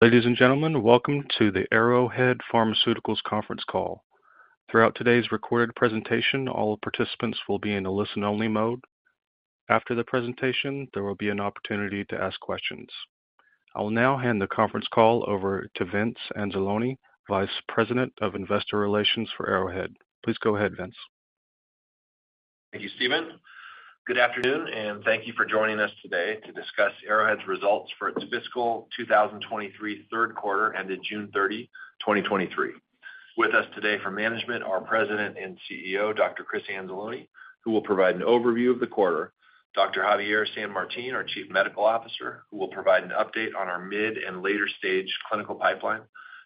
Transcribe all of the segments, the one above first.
Ladies and gentlemen, welcome to the Arrowhead Pharmaceuticals conference call. Throughout today's recorded presentation, all participants will be in a listen-only mode. After the presentation, there will be an opportunity to ask questions. I will now hand the conference call over to Vince Anzalone, Vice President of Investor Relations for Arrowhead. Please go ahead, Vince. Thank you, Steven. Good afternoon, thank you for joining us today to discuss Arrowhead's results for its fiscal 2023 third quarter, ended June 30th, 2023. With us today for management, our President and CEO, Dr. Chris Anzalone, who will provide an overview of the quarter, Dr. Javier San Martin, our Chief Medical Officer, who will provide an update on our mid- and later-stage clinical pipeline,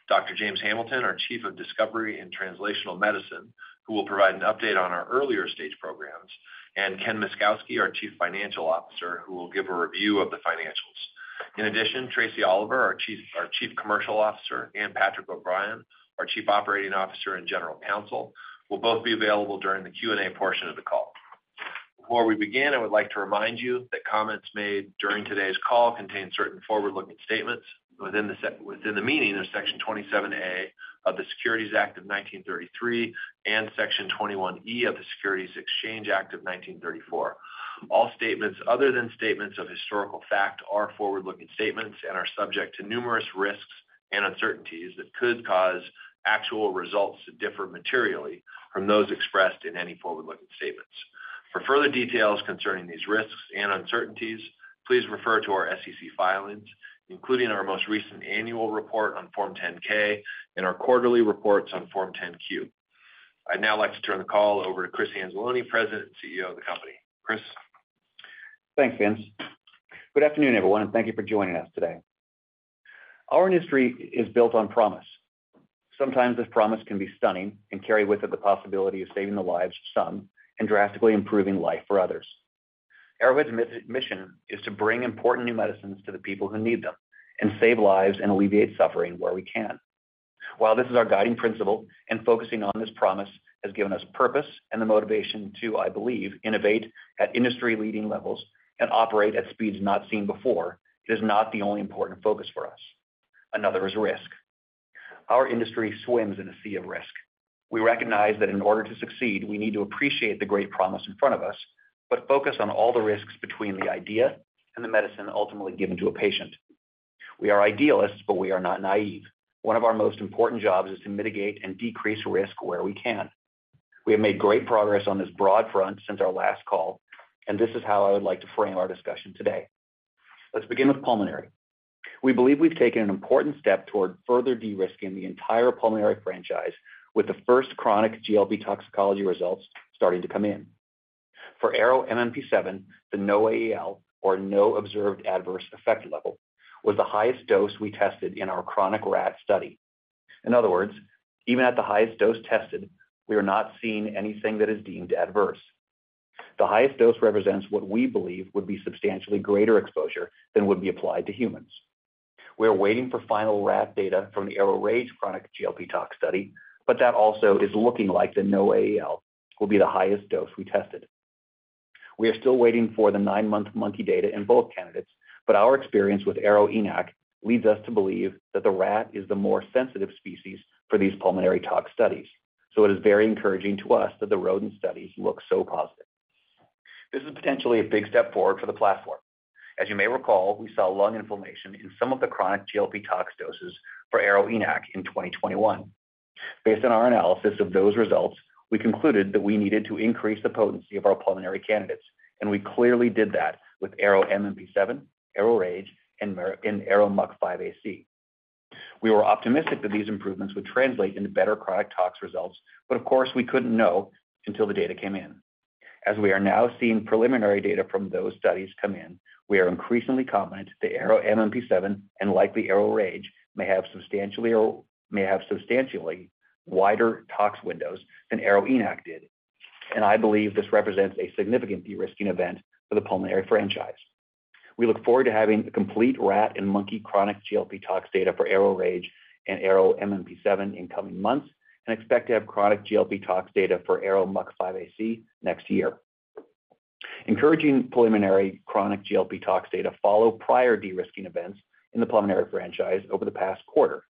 Dr. James Hamilton, our Chief of Discovery and Translational Medicine, who will provide an update on our earlier-stage programs, and Ken Myszkowski, our Chief Financial Officer, who will give a review of the financials. In addition, Tracie Oliver, our Chief Commercial Officer, and Patrick O'Brien, our Chief Operating Officer and General Counsel, will both be available during the Q&A portion of the call. Before we begin, I would like to remind you that comments made during today's call contain certain forward-looking statements within the meaning of Section 27A of the Securities Act of 1933 and Section 21E of the Securities Exchange Act of 1934. All statements other than statements of historical fact are forward-looking statements and are subject to numerous risks and uncertainties that could cause actual results to differ materially from those expressed in any forward-looking statements. For further details concerning these risks and uncertainties, please refer to our SEC filings, including our most recent annual report on Form 10-K and our quarterly reports on Form 10-Q. I'd now like to turn the call over to Chris Anzalone, President and CEO of the company. Chris? Thanks, Vince. Good afternoon, everyone. Thank you for joining us today. Our industry is built on promise. Sometimes this promise can be stunning and carry with it the possibility of saving the lives of some and drastically improving life for others. Arrowhead's mission is to bring important new medicines to the people who need them and save lives and alleviate suffering where we can. While this is our guiding principle, and focusing on this promise has given us purpose and the motivation to, I believe, innovate at industry-leading levels and operate at speeds not seen before, it is not the only important focus for us. Another is risk. Our industry swims in a sea of risk. We recognize that in order to succeed, we need to appreciate the great promise in front of us, but focus on all the risks between the idea and the medicine ultimately given to a patient. We are idealists, but we are not naive. One of our most important jobs is to mitigate and decrease risk where we can. We have made great progress on this broad front since our last call, and this is how I would like to frame our discussion today. Let's begin with pulmonary. We believe we've taken an important step toward further de-risking the entire pulmonary franchise, with the first chronic GLP toxicology results starting to come in. For ARO-MNP-7, the NOAEL, or No Observed Adverse Effect Level, was the highest dose we tested in our chronic rat study. In other words, even at the highest dose tested, we are not seeing anything that is deemed adverse. The highest dose represents what we believe would be substantially greater exposure than would be applied to humans. We are waiting for final rat data from the ARO-RAGE chronic GLP tox study, but that also is looking like the NOAEL will be the highest dose we tested. We are still waiting for the nine-month monkey data in both candidates, but our experience with ARO-ENaC leads us to believe that the rat is the more sensitive species for these pulmonary tox studies. It is very encouraging to us that the rodent study looks so positive. This is potentially a big step forward for the platform. As you may recall, we saw lung inflammation in some of the chronic GLP tox doses for ARO-ENaC in 2021. Based on our analysis of those results, we concluded that we needed to increase the potency of our pulmonary candidates. We clearly did that with ARO-MNP-7, ARO-RAGE, and ARO-MUC5AC. We were optimistic that these improvements would translate into better chronic tox results. Of course, we couldn't know until the data came in. As we are now seeing preliminary data from those studies come in, we are increasingly confident that ARO-MNP-7 and likely ARO-RAGE may have substantially wider tox windows than ARO-ENaC did. I believe this represents a significant de-risking event for the pulmonary franchise. We look forward to having the complete rat and monkey chronic GLP tox data for ARO-RAGE and ARO-MNP-7 in coming months and expect to have chronic GLP tox data for ARO-MUC5AC next year. Encouraging pulmonary chronic GLP tox data follow prior de-risking events in the pulmonary franchise over the past quarter.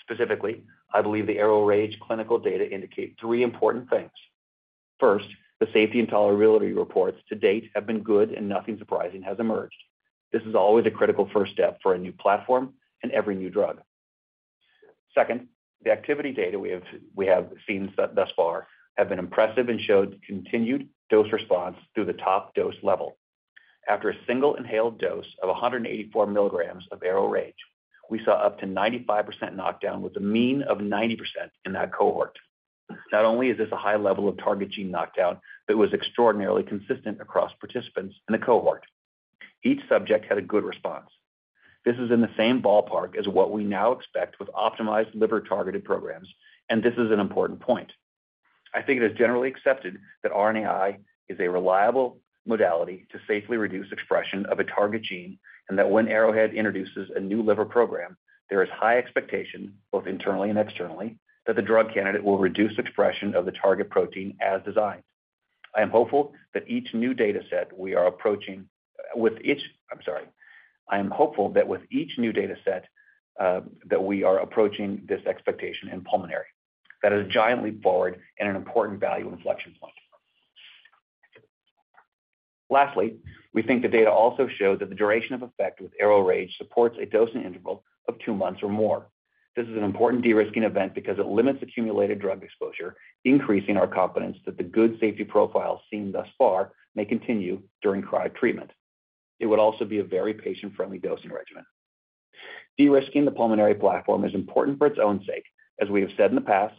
Specifically, I believe the ARO-RAGE clinical data indicate 3 important things. First, the safety and tolerability reports to date have been good and nothing surprising has emerged. This is always a critical first step for a new platform and every new drug. Second, the activity data we have seen thus far have been impressive and showed continued dose response through the top dose level. After a single inhaled dose of 184 milligrams of ARO-RAGE, we saw up to 95% knockdown, with a mean of 90% in that cohort. Not only is this a high level of target gene knockdown, but it was extraordinarily consistent across participants in the cohort. Each subject had a good response. This is in the same ballpark as what we now expect with optimized liver-targeted programs, and this is an important point. I think it is generally accepted that RNAi is a reliable modality to safely reduce expression of a target gene, and that when Arrowhead introduces a new liver program, there is high expectation, both internally and externally, that the drug candidate will reduce expression of the target protein as designed. I am hopeful that each new data set we are approaching. I'm sorry. I am hopeful that with each new data set that we are approaching this expectation in pulmonary. That is a giant leap forward and an important value inflection point. Lastly, we think the data also show that the duration of effect with ARO-RAGE supports a dosing interval of two months or more. This is an important de-risking event because it limits accumulated drug exposure, increasing our confidence that the good safety profile seen thus far may continue during cryotreatment. It would also be a very patient-friendly dosing regimen. De-risking the pulmonary platform is important for its own sake. As we have said in the past,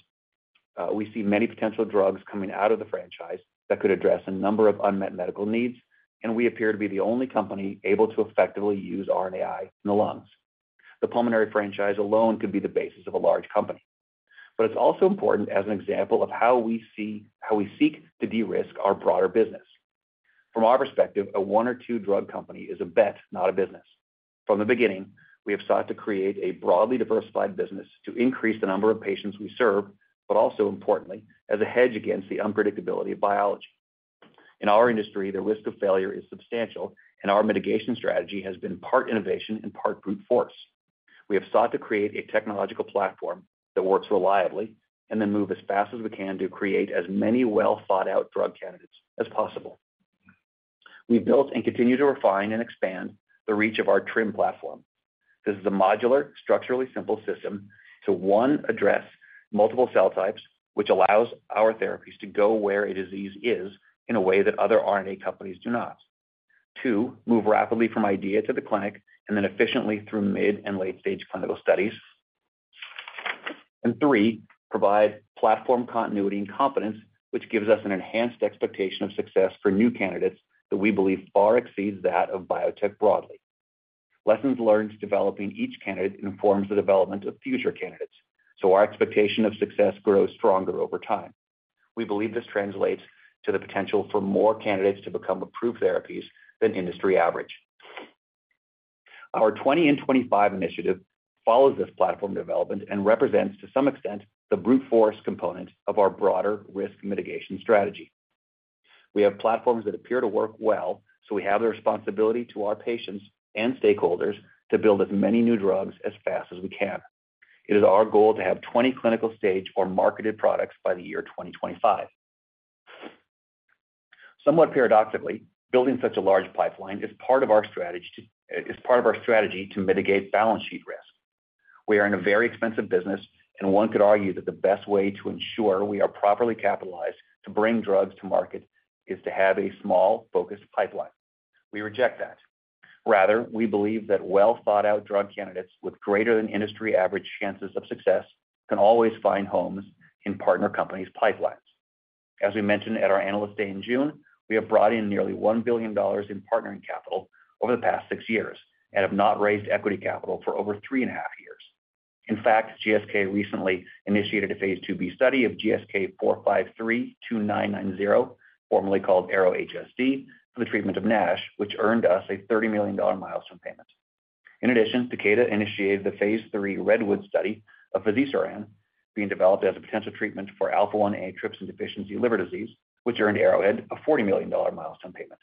we see many potential drugs coming out of the franchise that could address a number of unmet medical needs, and we appear to be the only company able to effectively use RNAi in the lungs. The pulmonary franchise alone could be the basis of a large company. It's also important as an example of how we seek to de-risk our broader business. From our perspective, a one or two-drug company is a bet, not a business. From the beginning, we have sought to create a broadly diversified business to increase the number of patients we serve, but also importantly, as a hedge against the unpredictability of biology. In our industry, the risk of failure is substantial, and our mitigation strategy has been part innovation and part brute force. We have sought to create a technological platform that works reliably and then move as fast as we can to create as many well-thought-out drug candidates as possible. We've built and continue to refine and expand the reach of our TRiM platform. This is a modular, structurally simple system to, 1, address multiple cell types, which allows our therapies to go where a disease is in a way that other RNA companies do not. 2, move rapidly from idea to the clinic and then efficiently through mid- and late-stage clinical studies. Three, provide platform continuity and confidence, which gives us an enhanced expectation of success for new candidates that we believe far exceeds that of biotech broadly. Lessons learned developing each candidate informs the development of future candidates, our expectation of success grows stronger over time. We believe this translates to the potential for more candidates to become approved therapies than industry average. Our 20 in 25 initiative follows this platform development and represents, to some extent, the brute force component of our broader risk mitigation strategy. We have platforms that appear to work well, we have the responsibility to our patients and stakeholders to build as many new drugs as fast as we can. It is our goal to have 20 clinical-stage or marketed products by the year 2025. Somewhat paradoxically, building such a large pipeline is part of our strategy to mitigate balance sheet risk. We are in a very expensive business, one could argue that the best way to ensure we are properly capitalized to bring drugs to market is to have a small, focused pipeline. We reject that. Rather, we believe that well-thought-out drug candidates with greater-than-industry-average chances of success can always find homes in partner companies' pipelines. As we mentioned at our R&D Day in June, we have brought in nearly $1 billion in partnering capital over the past six years and have not raised equity capital for over three and a half years. In fact, GSK recently initiated a phase II-b study of GSK4532990, formerly called ARO-HSD, for the treatment of NASH, which earned us a $30 million milestone payment. In addition, Takeda initiated the phase III REDWOOD study of fazirsiran, being developed as a potential treatment for alpha-1 antitrypsin deficiency liver disease, which earned Arrowhead a $40 million milestone payment.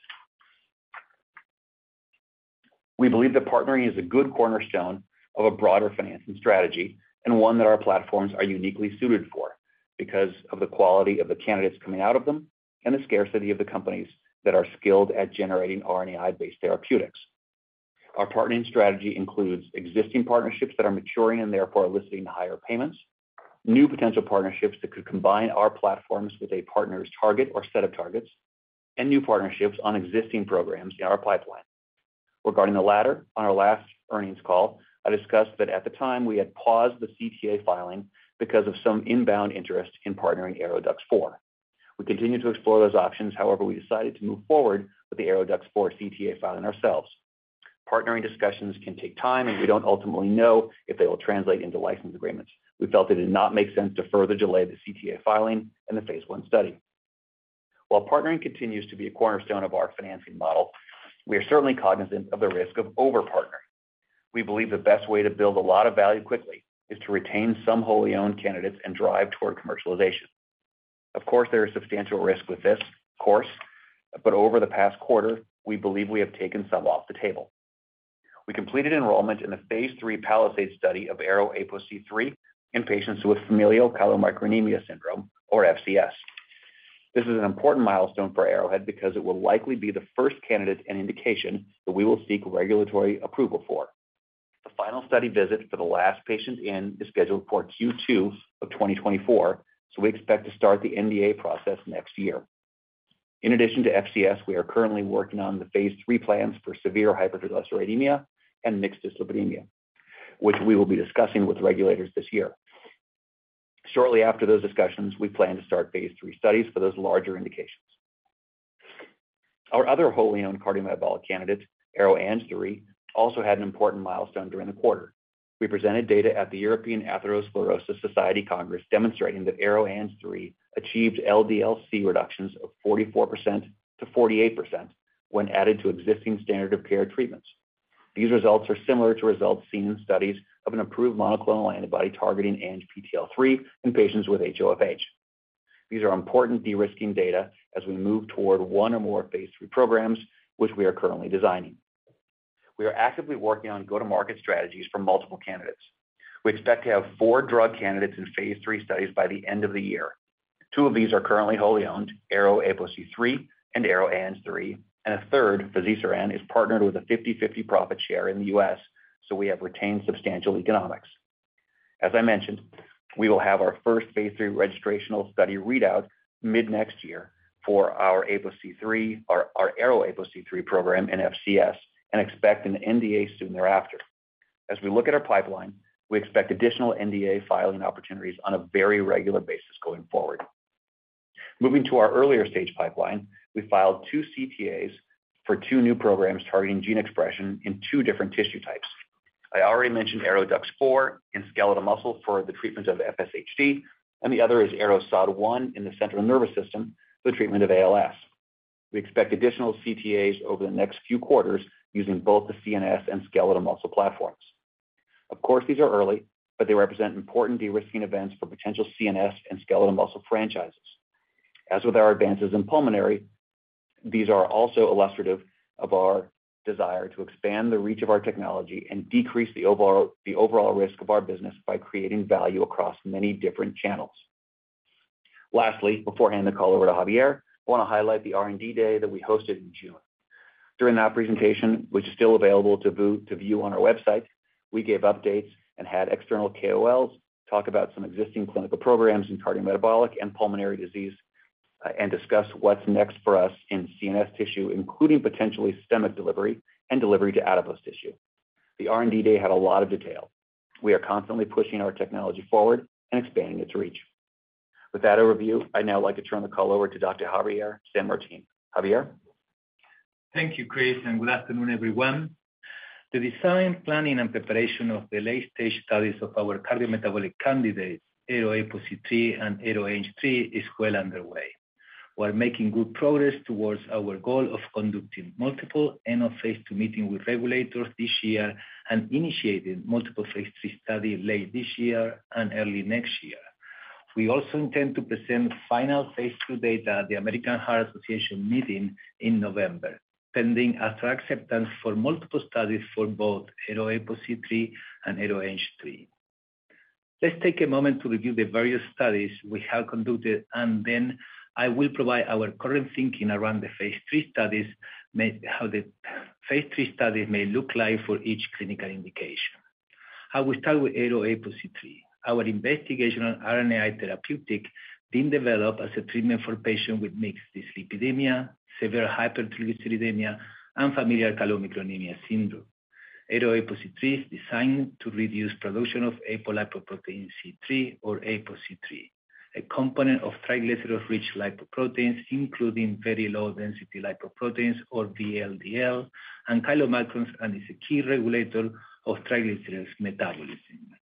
We believe that partnering is a good cornerstone of a broader financing strategy and one that our platforms are uniquely suited for because of the quality of the candidates coming out of them and the scarcity of the companies that are skilled at generating RNAi-based therapeutics. Our partnering strategy includes existing partnerships that are maturing and therefore eliciting higher payments, new potential partnerships that could combine our platforms with a partner's target or set of targets, and new partnerships on existing programs in our pipeline. Regarding the latter, on our last earnings call, I discussed that at the time we had paused the CTA filing because of some inbound interest in partnering ARO-DUX4. We continued to explore those options; however, we decided to move forward with the ARO-DUX4 CTA filing ourselves. Partnering discussions can take time, and we don't ultimately know if they will translate into license agreements. We felt it did not make sense to further delay the CTA filing and the phase I study. While partnering continues to be a cornerstone of our financing model, we are certainly cognizant of the risk of over-partnering. We believe the best way to build a lot of value quickly is to retain some wholly owned candidates and drive toward commercialization. There is substantial risk with this course, but over the past quarter, we believe we have taken some off the table. We completed enrollment in the phase III PALISADE study of ARO-APOC3 in patients with familial chylomicronemia syndrome, or FCS. This is an important milestone for Arrowhead because it will likely be the first candidate and indication that we will seek regulatory approval for. The final study visit for the last patient in is scheduled for Q2 of 2024, we expect to start the NDA process next year. In addition to FCS, we are currently working on the phase III plans for severe hypertriglyceridemia and mixed dyslipidemia, which we will be discussing with regulators this year. Shortly after those discussions, we plan to start phase III studies for those larger indications. Our other wholly owned cardiometabolic candidate, ARO-ANG3, also had an important milestone during the quarter. We presented data at the European Atherosclerosis Society Congress demonstrating that ARO-ANG3 achieved LDL-C reductions of 44% to 48% when added to existing standard of care treatments. These results are similar to results seen in studies of an approved monoclonal antibody targeting ANGPTL3 in patients with HoFH. These are important de-risking data as we move toward one or more phase III programs, which we are currently designing. We are actively working on go-to-market strategies for multiple candidates. We expect to have four drug candidates in phase III studies by the end of the year. Two of these are currently wholly owned, ARO-APOC3 and ARO-ANG3, and a third, fazirsiran, is partnered with a 50/50 profit share in the US, so we have retained substantial economics. As I mentioned, we will have our first phase III registrational study readout mid-next year for our APOC3, our ARO-APOC3 program in FCS, and expect an NDA soon thereafter. As we look at our pipeline, we expect additional NDA filing opportunities on a very regular basis going forward. Moving to our earlier stage pipeline, we filed two CTAs for two new programs targeting gene expression in two different tissue types. I already mentioned ARO-DUX4 in skeletal muscle for the treatment of FSHD, and the other is ARO-SOD1 in the central nervous system for the treatment of ALS. We expect additional CTAs over the next few quarters using both the CNS and skeletal muscle platforms. Of course, these are early, but they represent important de-risking events for potential CNS and skeletal muscle franchises. As with our advances in pulmonary, these are also illustrative of our desire to expand the reach of our technology and decrease the overall risk of our business by creating value across many different channels. Lastly, before handing the call over to Javier, I want to highlight the R&D Day that we hosted in June. During that presentation, which is still available to view on our website, we gave updates and had external KOLs talk about some existing clinical programs in cardiometabolic and pulmonary disease, and discuss what's next for us in CNS tissue, including potentially systemic delivery and delivery to adipose tissue. The R&D Day had a lot of detail. We are constantly pushing our technology forward and expanding its reach. With that overview, I'd now like to turn the call over to Dr. Javier San Martin. Javier? Thank you, Chris, and good afternoon, everyone. The design, planning, and preparation of the late-stage studies of our cardiometabolic candidates, ARO-APOC3 and ARO-ANG3, is well underway. We're making good progress towards our goal of conducting multiple end-of-phase II meeting with regulators this year and initiating multiple phase III study late this year and early next year. We also intend to present final phase II data at the American Heart Association meeting in November, pending a track acceptance for multiple studies for both ARO-APOC3 and ARO-ANG3. Let's take a moment to review the various studies we have conducted, and then I will provide our current thinking around the phase III studies, how the phase III studies may look like for each clinical indication. I will start with ARO-APOC3. Our investigational RNAi therapeutic being developed as a treatment for patients with mixed dyslipidemia, severe hypertriglyceridemia, and familial chylomicronemia syndrome. ARO-APOC3 is designed to reduce production of apolipoprotein C3 or APOC3, a component of triglyceride-rich lipoproteins, including very low-density lipoproteins or VLDL, and chylomicrons, and is a key regulator of triglycerides metabolism.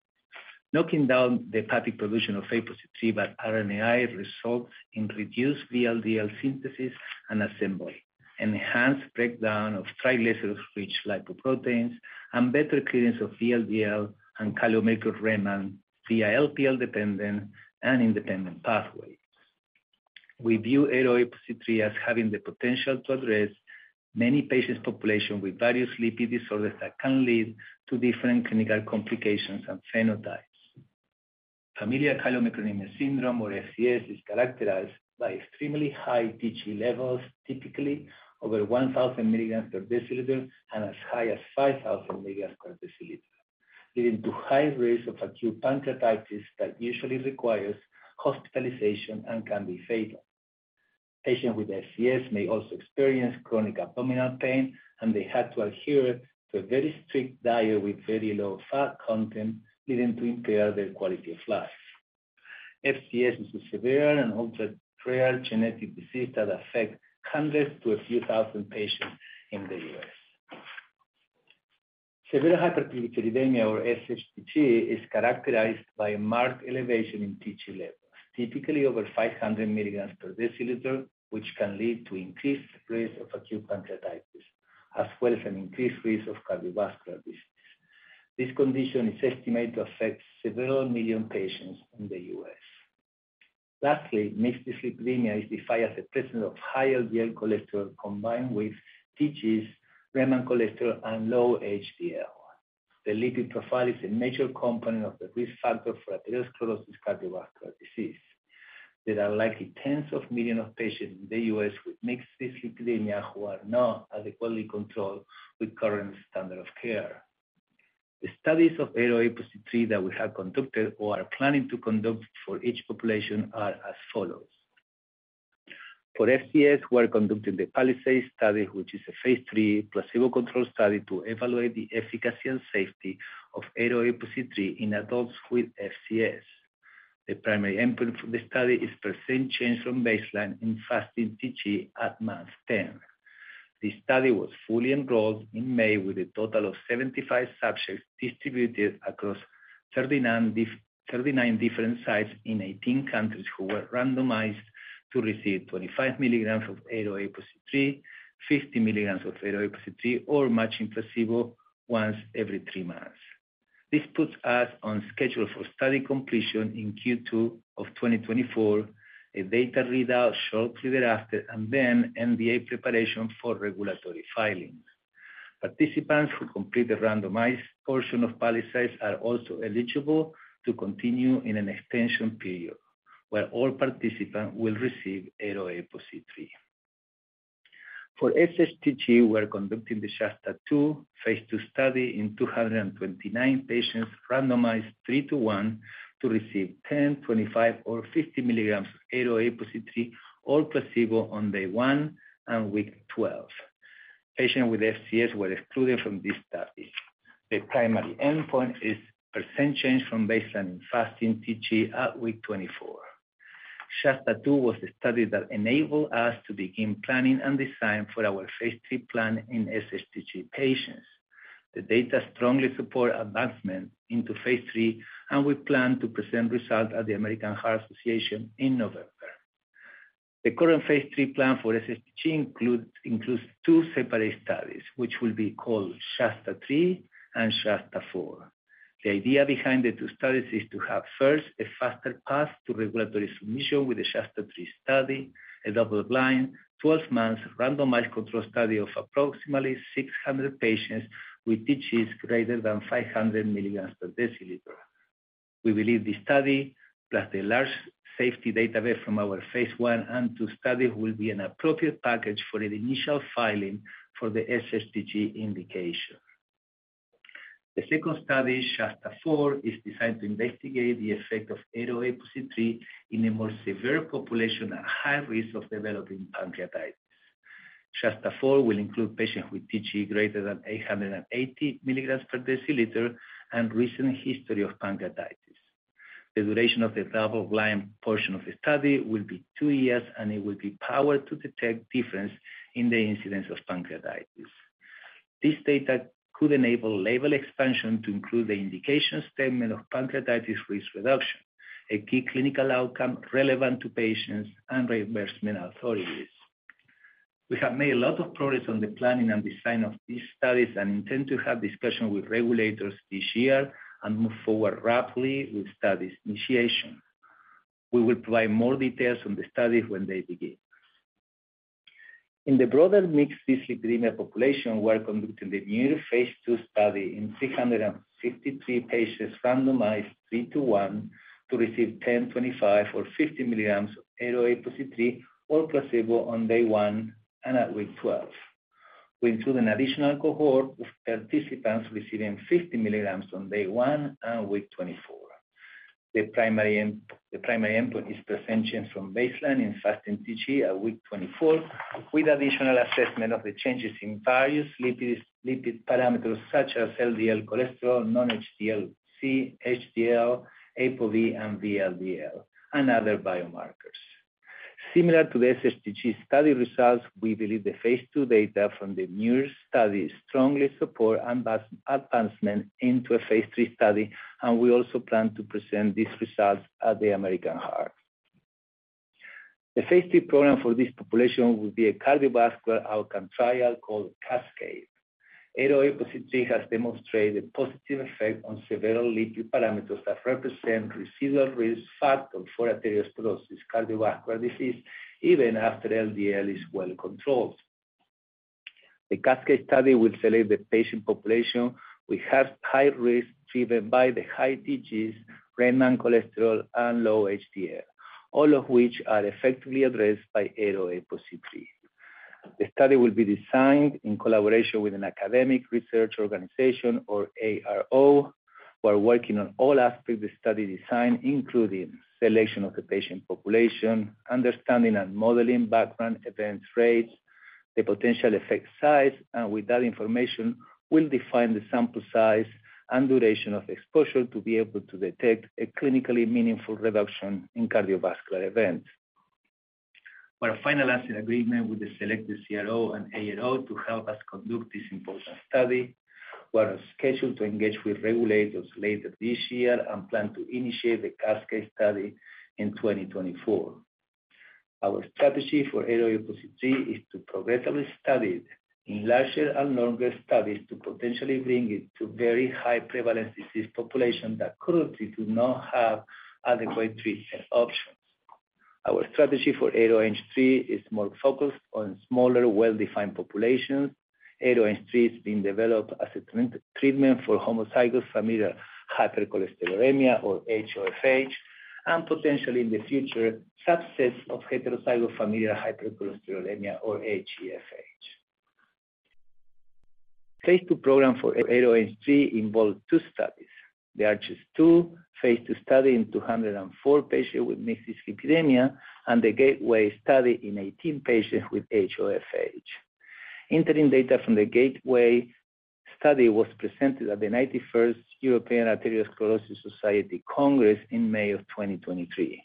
Knocking down the hepatic production of APOC3 by RNAi results in reduced VLDL synthesis and assembly, enhanced breakdown of triglyceride-rich lipoproteins, and better clearance of VLDL and chylomicron remnant via LPL-dependent and independent pathways. We view ARO-APOC3 as having the potential to address many patients population with various lipid disorders that can lead to different clinical complications and phenotypes. Familial chylomicronemia syndrome, or FCS, is characterized by extremely high TG levels, typically over 1,000 milligrams per deciliter and as high as 5,000 milligrams per deciliter, leading to high risk of acute pancreatitis that usually requires hospitalization and can be fatal. Patients with FCS may also experience chronic abdominal pain, and they have to adhere to a very strict diet with very low fat content, leading to impaired their quality of life. FCS is a severe and ultra rare genetic disease that affect hundreds to a few thousand patients in the US. Severe hypertriglyceridemia, or SHTG, is characterized by a marked elevation in TG levels, typically over 500 milligrams per deciliter, which can lead to increased risk of acute pancreatitis, as well as an increased risk of cardiovascular disease. This condition is estimated to affect several million patients in the US. Lastly, mixed dyslipidemia is defined as the presence of high LDL cholesterol combined with TGs, remnant cholesterol, and low HDL. The lipid profile is a major component of the risk factor for atherosclerosis cardiovascular disease. There are likely tens of millions of patients in the US with mixed dyslipidemia who are not adequately controlled with current standard of care. The studies of ARO-APOC3 that we have conducted or are planning to conduct for each population are as follows: For FCS, we are conducting the PALISADE study, which is a phase III placebo-controlled study to evaluate the efficacy and safety of ARO-APOC3 in adults with FCS. The primary endpoint for the study is % change from baseline in fasting TG at month 10. This study was fully enrolled in May with a total of 75 subjects distributed across 39 different sites in 18 countries who were randomized to receive 25 milligrams of ARO-APOC3, 50 milligrams of ARO-APOC3, or matching placebo once every three months. This puts us on schedule for study completion in Q2 of 2024, a data readout shortly thereafter, and then NDA preparation for regulatory filings. Participants who complete the randomized portion of PALISADE are also eligible to continue in an extension period, where all participants will receive ARO-APOC3. For SHTG, we're conducting the SHASTA-2 phase II study in 229 patients, randomized 3 to 1 to receive 10, 25, or 50 milligrams of ARO-APOC3, or placebo on day 1 and week 12. Patients with FCS were excluded from this study. The primary endpoint is % change from baseline fasting TG at week 24. SHASTA-2 was the study that enabled us to begin planning and design for our phase III plan in SHTG patients. The data strongly support advancement into phase III, and we plan to present results at the American Heart Association in November. The current phase III plan for SHTG includes two separate studies, which will be called SHASTA-3 and SHASTA-4. The idea behind the two studies is to have first, a faster path to regulatory submission with the SHASTA-3 study, a double-blind, 12-month randomized controlled study of approximately 600 patients with TGs greater than 500 milligrams per deciliter. We believe this study, plus the large safety database from our phase I and II study, will be an appropriate package for an initial filing for the SHTG indication. The second study, SHASTA-4, is designed to investigate the effect of APOC3 in a more severe population at high risk of developing pancreatitis. SHASTA-4 will include patients with TG greater than 880 milligrams per deciliter and recent history of pancreatitis. The duration of the double-blind portion of the study will be two years, and it will be powered to detect difference in the incidence of pancreatitis. This data could enable label expansion to include the indication statement of pancreatitis risk reduction, a key clinical outcome relevant to patients and reimbursement authorities. We have made a lot of progress on the planning and design of these studies and intend to have discussion with regulators this year and move forward rapidly with studies initiation. We will provide more details on the studies when they begin. In the broader mixed dyslipidemia population, we're conducting the NEAR phase II study in 653 patients, randomized 3 to 1, to receive 10, 25, or 50 milligrams of ARO-APOC3, or placebo on day one and at week 12. We include an additional cohort of participants receiving 50 milligrams on day one and week 24. The primary endpoint is % change from baseline in fasting TG at week 24, with additional assessment of the changes in various lipids, lipid parameters such as LDL-C, non-HDL-C, HDL, ApoB, and VLDL, and other biomarkers. Similar to the SHTG study results, we believe the phase II data from the NEAR study strongly support advancement into a phase III study, and we also plan to present these results at the American Heart. The phase III program for this population will be a cardiovascular outcome trial called CASCADE. ARO-APOC3 has demonstrated a positive effect on several lipid parameters that represent residual risk factors for atherosclerosis cardiovascular disease, even after LDL-C is well controlled. The CASCADE study will select the patient population, which has high risk driven by the high TGs, remnant cholesterol, and low HDL, all of which are effectively addressed by ARO-APOC3. The study will be designed in collaboration with an academic research organization or ARO. We're working on all aspects of the study design, including selection of the patient population, understanding and modeling background event rates, the potential effect size, with that information, we'll define the sample size and duration of exposure to be able to detect a clinically meaningful reduction in cardiovascular events. For a final asset agreement with the selected CRO and ARO to help us conduct this important study, we are scheduled to engage with regulators later this year and plan to initiate the CASCADE study in 2024. Our strategy for ARO-APOC3 is to progressively study in larger and longer studies to potentially bring it to very high prevalence disease population that currently do not have adequate treatment options. Our strategy for ARO-ANG3 is more focused on smaller, well-defined populations. ARO-ANG3 is being developed as a treatment for homozygous familial hypercholesterolemia or HoFH, and potentially in the future, subsets of heterozygous familial hypercholesterolemia or HeFH. The phase II program for ARO-ANG3 involved 2 studies. The ARCHES 2, phase II study in 204 patients with mixed dyslipidemia, and the GATEWAY study in 18 patients with HoFH. Interim data from the GATEWAY study was presented at the 91st European Atherosclerosis Society Congress in May 2023.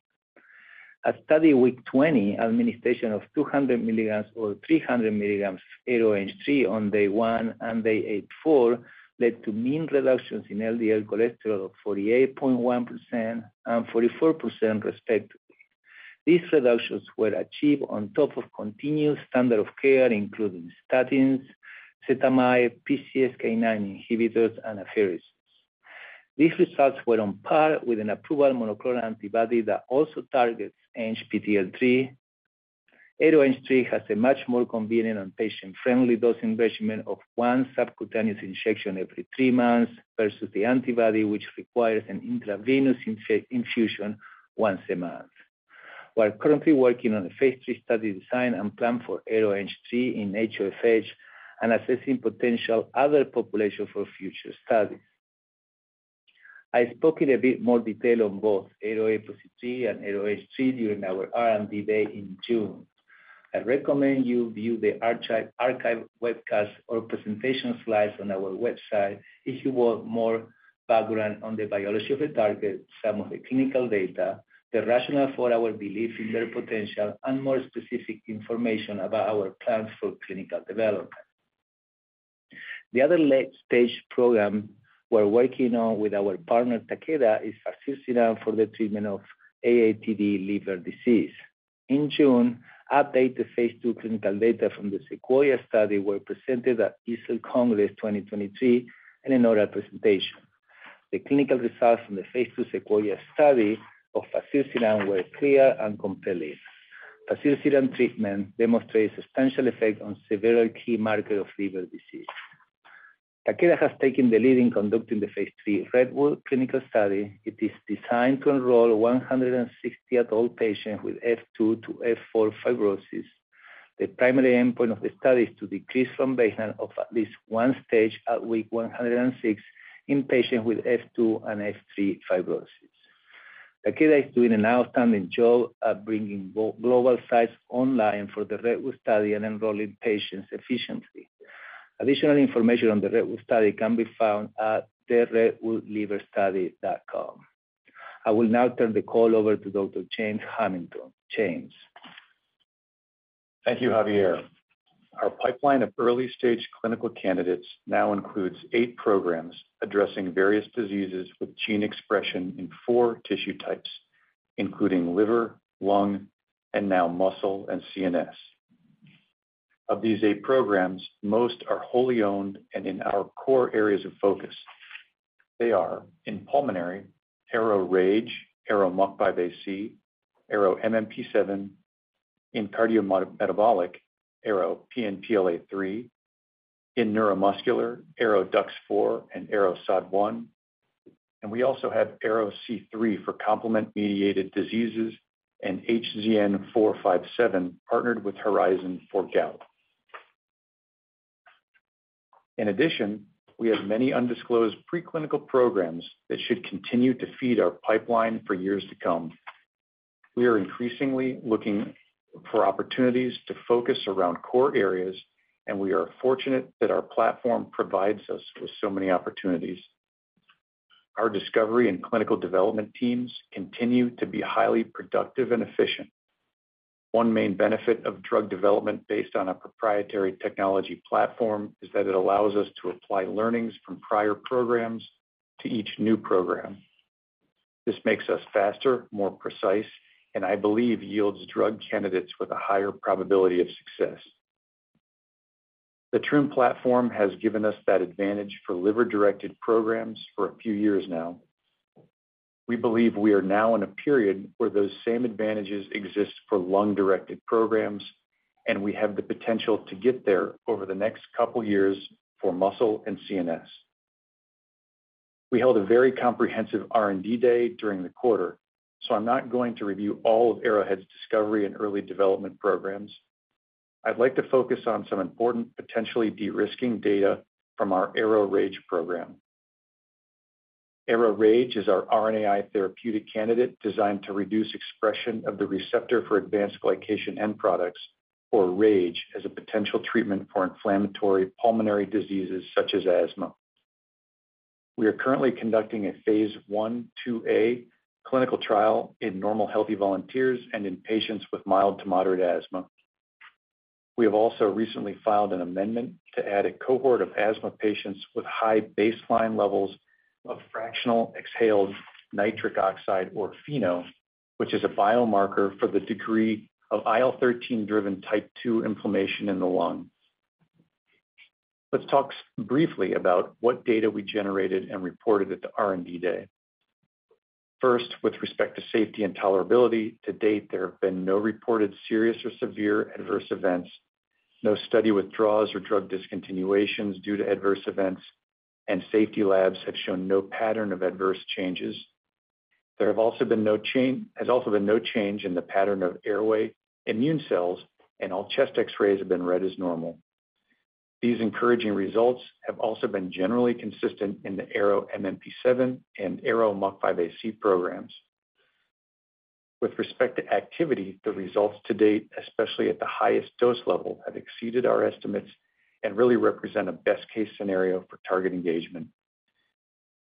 A study week 20 administration of 200 mg or 300 mg ARO-ANG3 on day 1 and day 84 led to mean reductions in LDL cholesterol of 48.1% and 44%, respectively. These reductions were achieved on top of continued standard of care, including statins, ezetimibe, PCSK9 inhibitors, and apheresis. These results were on par with an approved monoclonal antibody that also targets ANGPTL3. ARO-ANG3 has a much more convenient and patient-friendly dosing regimen of one subcutaneous injection every 3 months, versus the antibody, which requires an intravenous infusion once a month. We're currently working on a phase III study design and plan for ARO-ANG3 in HoFH, and assessing potential other population for future studies. I spoke in a bit more detail on both ARO-APOC3 and ARO-ANG3 during our R&D Day in June. I recommend you view the archive webcast or presentation slides on our website if you want more background on the biology of the target, some of the clinical data, the rationale for our belief in their potential, and more specific information about our plans for clinical development. The other late-stage program we're working on with our partner, Takeda, is fazirsiran for the treatment of AATD liver disease. In June, updated phase II clinical data from the SEQUOIA study were presented at EASL Congress 2023 and in oral presentation. The clinical results from the phase II SEQUOIA study of fazirsiran were clear and compelling. Fazirsiran treatment demonstrated substantial effect on several key markers of liver disease. Takeda has taken the lead in conducting the phase III REDWOOD clinical study. It is designed to enroll 160 adult patients with F2 to F4 fibrosis. The primary endpoint of the study is to decrease from baseline of at least one stage at week 106 in patients with F2 and F3 fibrosis. Takeda is doing an outstanding job at bringing global sites online for the REDWOOD study and enrolling patients efficiently. Additional information on the REDWOOD study can be found at the redwoodliverstudy.com. I will now turn the call over to Dr. James Hamilton. James? Thank you, Javier. Our pipeline of early-stage clinical candidates now includes 8 programs addressing various diseases with gene expression in 4 tissue types, including liver, lung, and now muscle and CNS. Of these 8 programs, most are wholly owned and in our core areas of focus. They are in pulmonary, ARO-RAGE, ARO-MUC5AC, ARO-MMP7, in cardiometabolic, ARO-PNPLA3, in neuromuscular, ARO-DUX4 and ARO-SOD1, and we also have ARO-C3 for complement-mediated diseases and HZN-457, partnered with Horizon for gout. In addition, we have many undisclosed preclinical programs that should continue to feed our pipeline for years to come. We are increasingly looking for opportunities to focus around core areas, and we are fortunate that our platform provides us with so many opportunities. Our discovery and clinical development teams continue to be highly productive and efficient. One main benefit of drug development based on a proprietary technology platform, is that it allows us to apply learnings from prior programs to each new program. This makes us faster, more precise, and I believe yields drug candidates with a higher probability of success. The TRiM platform has given us that advantage for liver-directed programs for a few years now. We believe we are now in a period where those same advantages exist for lung-directed programs, and we have the potential to get there over the next 2 years for muscle and CNS. We held a very comprehensive R&D Day during the quarter, so I'm not going to review all of Arrowhead's discovery and early development programs. I'd like to focus on some important, potentially de-risking data from our ARO-RAGE program. ARO-RAGE is our RNAi therapeutic candidate designed to reduce expression of the receptor for advanced glycation end products, or RAGE, as a potential treatment for inflammatory pulmonary diseases such as asthma. We are currently conducting a phase 1/2a clinical trial in normal healthy volunteers and in patients with mild to moderate asthma. We have also recently filed an amendment to add a cohort of asthma patients with high baseline levels of fractional exhaled nitric oxide, or FeNO, which is a biomarker for the degree of IL-13-driven type 2 inflammation in the lung. Let's talk briefly about what data we generated and reported at the R&D Day. First, with respect to safety and tolerability, to date, there have been no reported serious or severe adverse events, no study withdrawals or drug discontinuations due to adverse events, and safety labs have shown no pattern of adverse changes. There have also been no change in the pattern of airway immune cells. All chest X-rays have been read as normal. These encouraging results have also been generally consistent in the ARO-MMP7 and ARO-MUC5AC programs. With respect to activity, the results to date, especially at the highest dose level, have exceeded our estimates and really represent a best-case scenario for target engagement.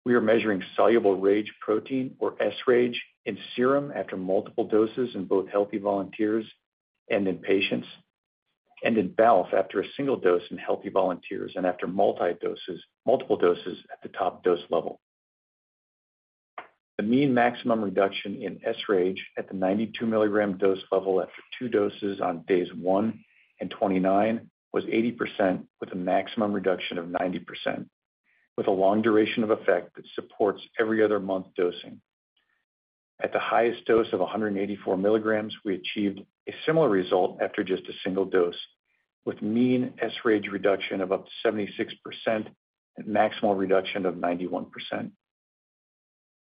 We are measuring soluble RAGE protein, or sRAGE, in serum after multiple doses in both healthy volunteers and in patients, and in BALF after a single dose in healthy volunteers and after multiple doses at the top dose level. The mean maximum reduction in sRAGE at the 92 mg dose level after two doses on days 1 and 29, was 80%, with a maximum reduction of 90%, with a long duration of effect that supports every other month dosing. At the highest dose of 184 mg, we achieved a similar result after just a single dose, with mean sRAGE reduction of up to 76% and maximal reduction of 91%.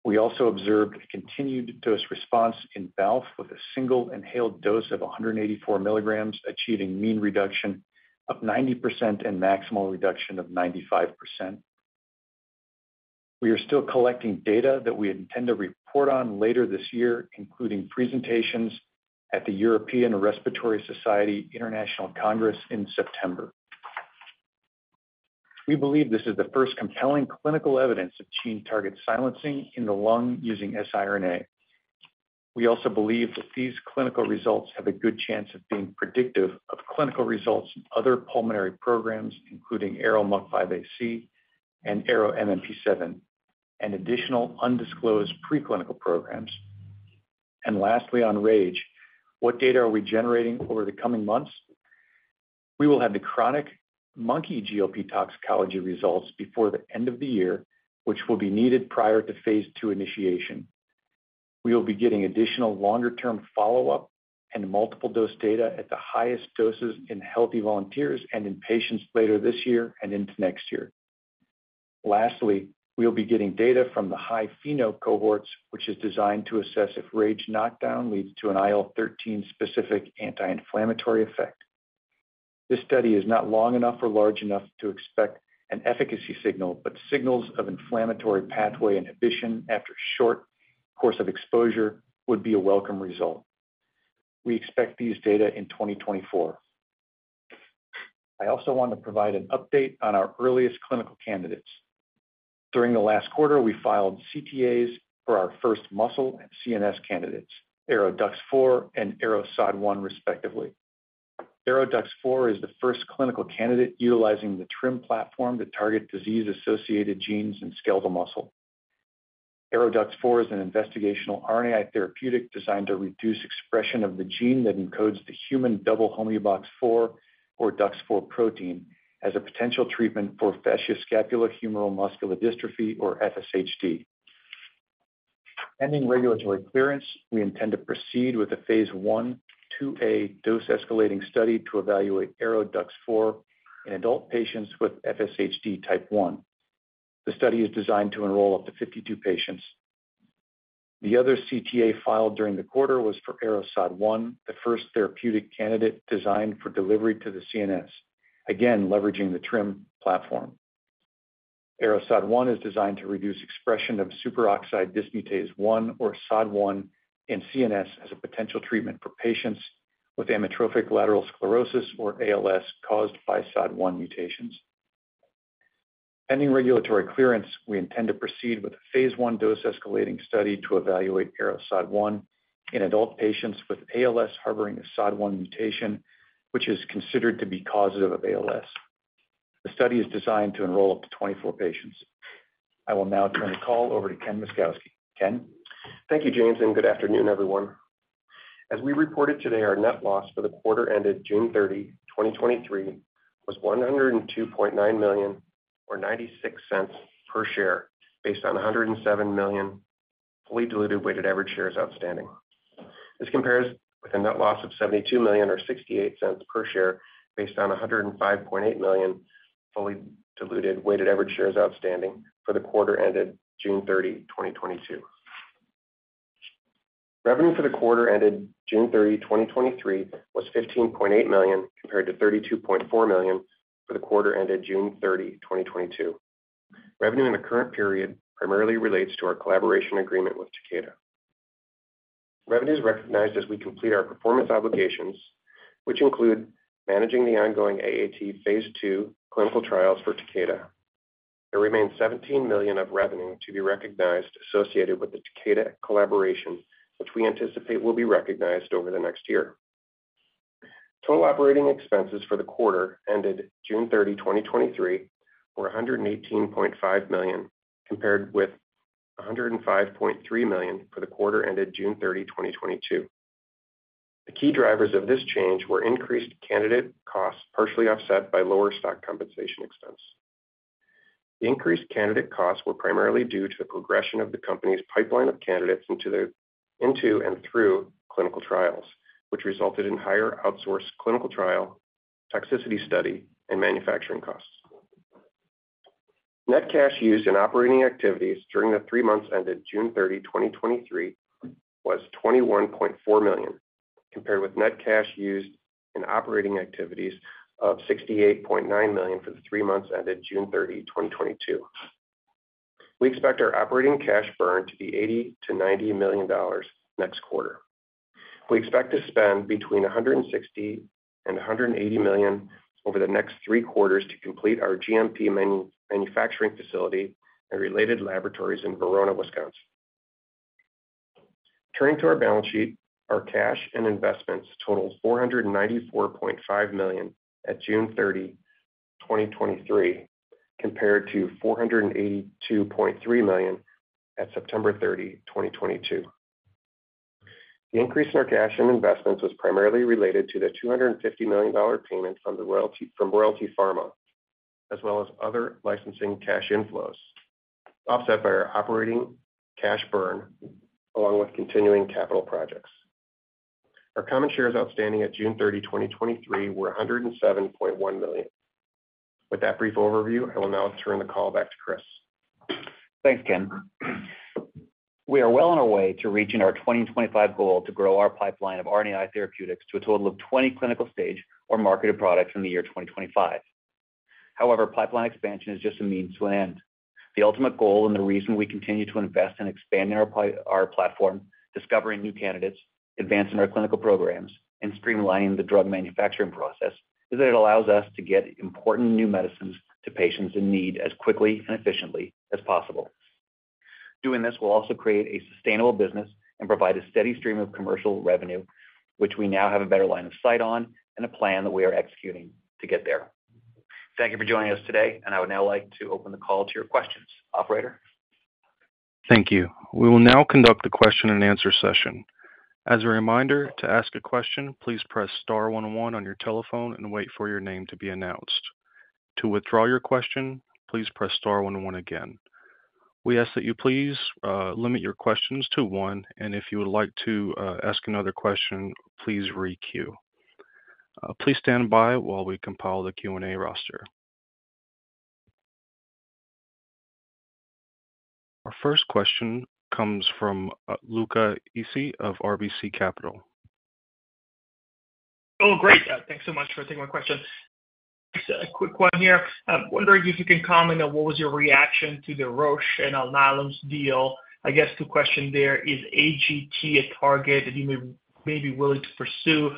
We also observed a continued dose response in BALF with a single inhaled dose of 184 mg, achieving mean reduction of 90% and maximal reduction of 95%. We are still collecting data that we intend to report on later this year, including presentations at the European Respiratory Society International Congress in September. We believe this is the first compelling clinical evidence of gene target silencing in the lung using siRNA. We also believe that these clinical results have a good chance of being predictive of clinical results in other pulmonary programs, including ARO-MUC5AC and ARO-MMP7, and additional undisclosed preclinical programs. Lastly, on RAGE, what data are we generating over the coming months? We will have the chronic monkey GLP toxicology results before the end of the year, which will be needed prior to phase II initiation. We will be getting additional longer-term follow-up and multiple dose data at the highest doses in healthy volunteers and in patients later this year and into next year. Lastly, we will be getting data from the high-FeNO cohorts, which is designed to assess if RAGE knockdown leads to an IL-13-specific anti-inflammatory effect. This study is not long enough or large enough to expect an efficacy signal, but signals of inflammatory pathway inhibition after a short course of exposure would be a welcome result. We expect these data in 2024. I also want to provide an update on our earliest clinical candidates. During the last quarter, we filed CTAs for our first muscle and CNS candidates, ARO-DUX4 and ARO-SOD1, respectively. ARO-DUX4 is the first clinical candidate utilizing the TRiM platform to target disease-associated genes in skeletal muscle. ARO-DUX4 is an investigational RNAi therapeutic designed to reduce expression of the gene that encodes the human double homeobox 4, or DUX4 protein, as a potential treatment for facioscapulohumeral muscular dystrophy, or FSHD. Pending regulatory clearance, we intend to proceed with a phase I-IIa dose-escalating study to evaluate ARO-DUX4 in adult patients with FSHD Type I. The study is designed to enroll up to 52 patients. The other CTA filed during the quarter was for ARO-SOD1, the first therapeutic candidate designed for delivery to the CNS, again, leveraging the TRiM platform. ARO-SOD1 is designed to reduce expression of superoxide dismutase 1, or SOD1, in CNS as a potential treatment for patients with amyotrophic lateral sclerosis, or ALS, caused by SOD1 mutations. Pending regulatory clearance, we intend to proceed with a phase I dose-escalating study to evaluate ARO-SOD1 in adult patients with ALS harboring a SOD1 mutation, which is considered to be causative of ALS. The study is designed to enroll up to 24 patients. I will now turn the call over to Ken Myszkowski. Ken? Thank you, James. Good afternoon, everyone. As we reported today, our net loss for the quarter ended June 30, 2023, was $102.9 million, or $0.96 per share, based on 107 million fully diluted weighted average shares outstanding. This compares with a net loss of $72 million or $0.68 per share, based on 105.8 million fully diluted weighted average shares outstanding for the quarter ended June 30, 2022. Revenue for the quarter ended June 30, 2023, was $15.8 million, compared to $32.4 million for the quarter ended June 30, 2022. Revenue in the current period primarily relates to our collaboration agreement with Takeda. Revenue is recognized as we complete our performance obligations, which include managing the ongoing AAT phase II clinical trials for Takeda. There remains $17 million of revenue to be recognized associated with the Takeda collaboration, which we anticipate will be recognized over the next year. Total operating expenses for the quarter ended June 30, 2023, were $118.5 million, compared with $105.3 million for the quarter ended June 30, 2022. The key drivers of this change were increased candidate costs, partially offset by lower stock compensation expense. The increased candidate costs were primarily due to the progression of the company's pipeline of candidates into and through clinical trials, which resulted in higher outsourced clinical trial, toxicity study, and manufacturing costs. Net cash used in operating activities during the three months ended June 30, 2023, was $21.4 million, compared with net cash used in operating activities of $68.9 million for the three months ended June 30, 2022. We expect our operating cash burn to be $80 million-$90 million next quarter. We expect to spend between $160 million and $180 million over the next three quarters to complete our GMP manufacturing facility and related laboratories in Verona, Wisconsin. Turning to our balance sheet, our cash and investments total $494.5 million at June 30, 2023, compared to $482.3 million at September 30, 2022. The increase in our cash and investments was primarily related to the $250 million payment from the royalty, from Royalty Pharma, as well as other licensing cash inflows, offset by our operating cash burn, along with continuing capital projects. Our common shares outstanding at June 30, 2023, were 107.1 million. With that brief overview, I will now turn the call back to Chris. Thanks, Ken. We are well on our way to reaching our 2025 goal to grow our pipeline of RNAi therapeutics to a total of 20 clinical stage or marketed products in the year 2025. Pipeline expansion is just a means to an end. The ultimate goal and the reason we continue to invest in expanding our platform, discovering new candidates, advancing our clinical programs, and streamlining the drug manufacturing process, is that it allows us to get important new medicines to patients in need as quickly and efficiently as possible. Doing this will also create a sustainable business and provide a steady stream of commercial revenue, which we now have a better line of sight on and a plan that we are executing to get there. Thank you for joining us today. I would now like to open the call to your questions. Operator? Thank you. We will now conduct a question and answer session. As a reminder, to ask a question, please press star one, one on your telephone and wait for your name to be announced. To withdraw your question, please press star one, one again. We ask that you please limit your questions to 1, and if you would like to ask another question, please re-queue. Please stand by while we compile the Q&A roster. Our first question comes from Luca Issi of RBC Capital. Oh, great. Thanks so much for taking my question. Just a quick one here. I'm wondering if you can comment on what was your reaction to the Roche and Alnylam's deal. I guess two question there: is AGT a target that you may be willing to pursue?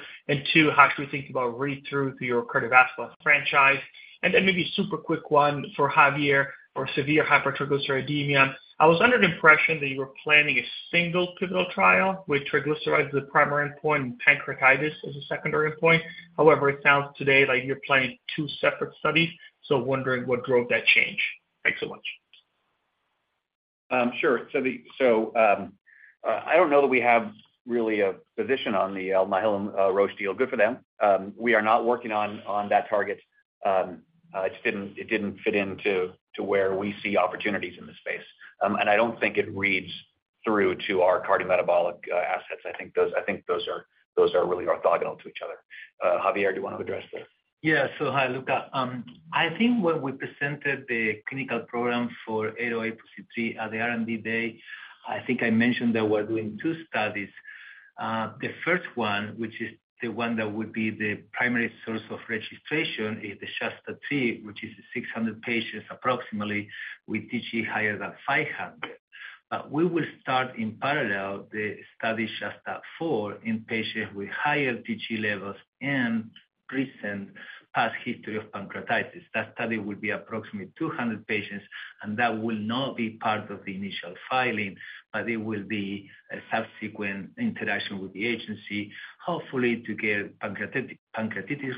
Two, how should we think about read-through to your cardiovascular franchise? Then maybe super quick one for Javier, for severe hypertriglyceridemia. I was under the impression that you were planning a single pivotal trial with triglycerides as the primary endpoint and pancreatitis as a secondary endpoint. However, it sounds today like you're planning two separate studies, so wondering what drove that change. Thanks so much. Sure. I don't know that we have really a position on the Alnylam Roche deal. Good for them. We are not working on, on that target. It just didn't, it didn't fit into, to where we see opportunities in this space. I don't think it reads through to our cardiometabolic assets. I think those, I think those are, those are really orthogonal to each other. Javier, do you want to address that? Yeah. hi, Luca. I think when we presented the clinical program for LOX3 at the R&D Day, I think I mentioned that we're doing 2 studies. The first one, which is the one that would be the primary source of registration, is the SHASTA-3, which is 600 patients, approximately, with TG higher than 500. We will start in parallel, the study SHASTA-4, in patients with higher TG levels and recent past history of pancreatitis. That study would be approximately 200 patients, and that will not be part of the initial filing, but it will be a subsequent interaction with the agency, hopefully, to get pancreatitis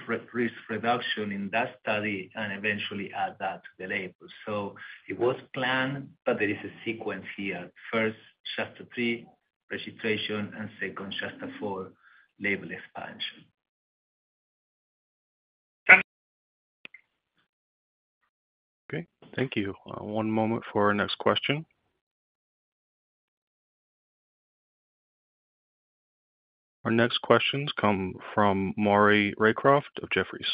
risk reduction in that study and eventually add that to the label. It was planned, but there is a sequence here. First, SHASTA-3, registration, and second, SHASTA-4, label expansion. Thank you. Okay. Thank you. 1 moment for our next question. Our next questions come from Maury Raycroft of Jefferies.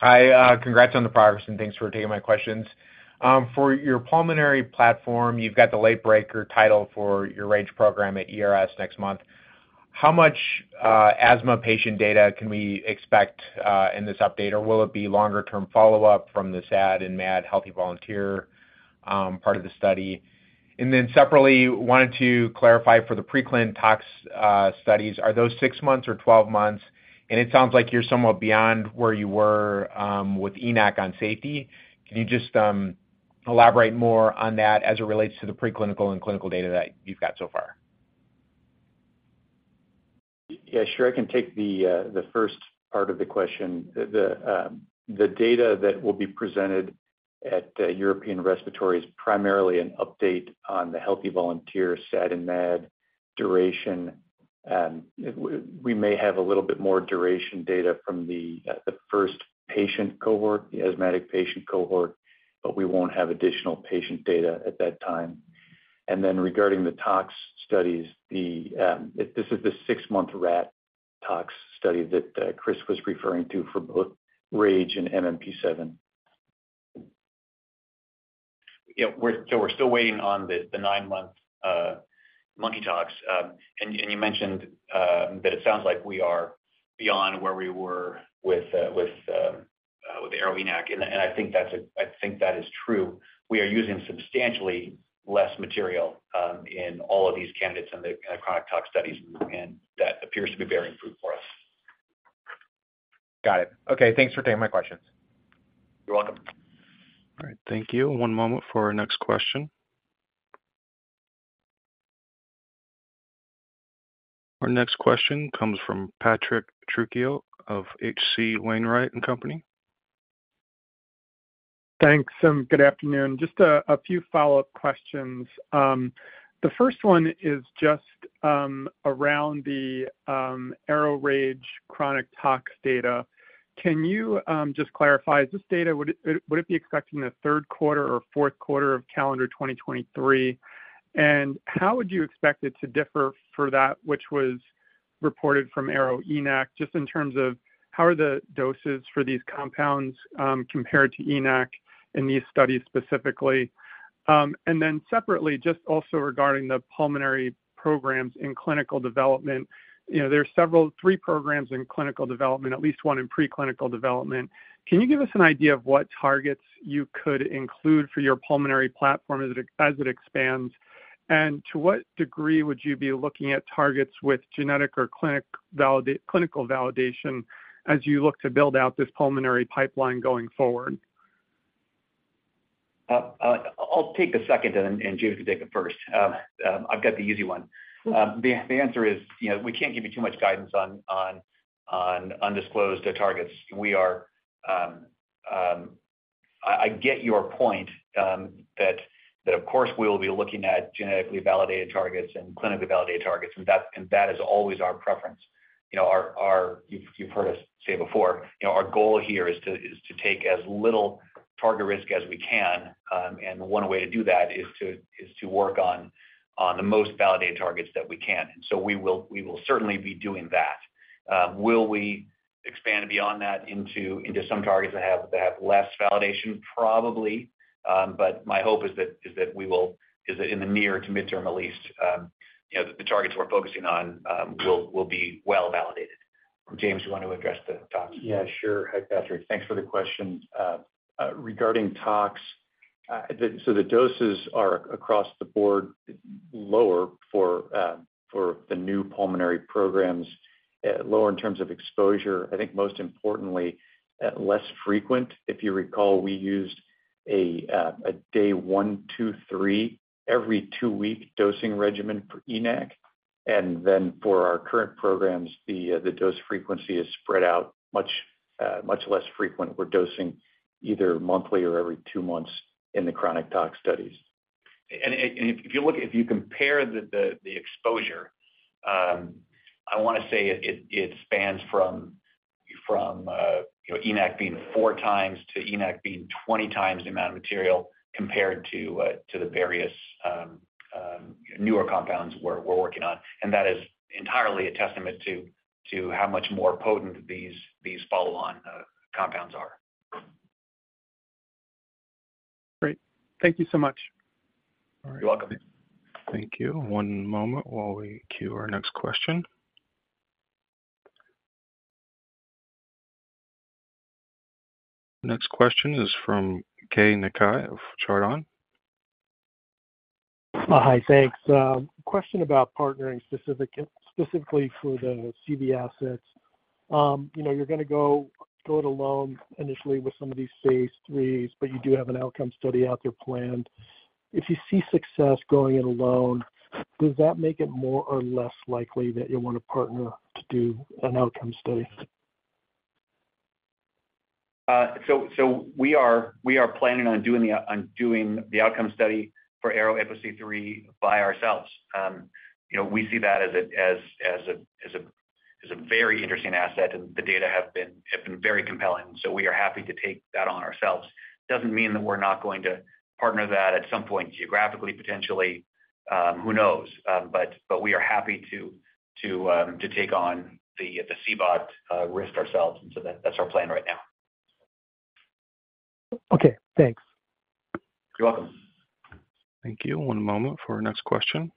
Hi, congrats on the progress, thanks for taking my questions. For your pulmonary platform, you've got the late-breaker title for your RAGE program at ERS next month. How much asthma patient data can we expect in this update? Will it be longer-term follow-up from the sad and mad healthy volunteer part of the study? Separately, wanted to clarify for the pre-clin tox studies, are those 6 months or 12 months? It sounds like you're somewhat beyond where you were with ENaC on safety. Can you just elaborate more on that as it relates to the preclinical and clinical data that you've got so far? Yeah, sure. I can take the first part of the question. The data that will be presented at European Respiratory is primarily an update on the healthy volunteer sad and mad duration. We may have a little bit more duration data from the first patient cohort, the asthmatic patient cohort, but we won't have additional patient data at that time. Regarding the tox studies, this is the six-month rat tox study that Chris was referring to for both RAGE and MMP7. Yeah, we're. We're still waiting on the nine-month monkey tox. You mentioned that it sounds like we are beyond where we were with ARO-ENaC, and I think that is true. We are using substantially less material in all of these candidates in the chronic tox studies, and that appears to be bearing fruit for us. Got it. Okay, thanks for taking my questions. You're welcome. All right. Thank you. One moment for our next question. Our next question comes from Patrick Trucchio of HC Wainwright & Company. Thanks, and good afternoon. Just a few follow-up questions. The first one is just around the ARO-RAGE chronic tox data. Can you just clarify, is this data, would it be expected in the third quarter or fourth quarter of calendar 2023? How would you expect it to differ for that, which was reported from ARO-ENaC, just in terms of how are the doses for these compounds compared to ENaC in these studies specifically? Then separately, just also regarding the pulmonary programs in clinical development, you know, there are several- three programs in clinical development, at least one in preclinical development. Can you give us an idea of what targets you could include for your pulmonary platform as it expands? To what degree would you be looking at targets with genetic or clinical validation as you look to build out this pulmonary pipeline going forward? I'll take the second, and James can take the first. I've got the easy one. The answer is, you know, we can't give you too much guidance on undisclosed targets. I get your point that of course, we will be looking at genetically validated targets and clinically validated targets, and that is always our preference. You know, you've heard us say before, you know, our goal here is to take as little target risk as we can, and one way to do that is to work on the most validated targets that we can. We will certainly be doing that. Will we expand beyond that into some targets that have less validation? Probably, my hope is that in the near to midterm at least, you know, the targets we're focusing on, will, will be well-validated. James, you want to address the tox? Yeah, sure. Hi, Patrick. Thanks for the question. Regarding tox, the, so the doses are across the board, lower for the new pulmonary programs, lower in terms of exposure. I think most importantly, less frequent. If you recall, we used a day 1, 2, 3, every 2-week dosing regimen for ARO-ENaC, and then for our current programs, the dose frequency is spread out much, much less frequent. We're dosing either monthly or every 2 months in the chronic tox studies. If you look... If you compare the, the, the exposure, I want to say it, it spans from, from, you know, ENaC being 4 times to ENaC being 20 times the amount of material compared to, to the various, newer compounds we're, we're working on. That is entirely a testament to, to how much more potent these, these follow-on, compounds are. Great. Thank you so much. You're welcome. Thank you. One moment while we queue our next question. Next question is from Keay Nakae of Chardon. Hi, thanks. Question about partnering specifically for the Cb assets. You know, you're gonna go it alone initially with some of these phase 3s, but you do have an outcome study out there planned. If you see success going it alone, does that make it more or less likely that you'll want a partner to do an outcome study? We are planning on doing the outcome study for ARO-APOC3 by ourselves. You know, we see that as a very interesting asset, and the data have been very compelling, so we are happy to take that on ourselves. Doesn't mean that we're not going to partner that at some point geographically, potentially, who knows? We are happy to take on the CBOT risk ourselves, and that's our plan right now. Okay, thanks. You're welcome. Thank you. One moment for our next question.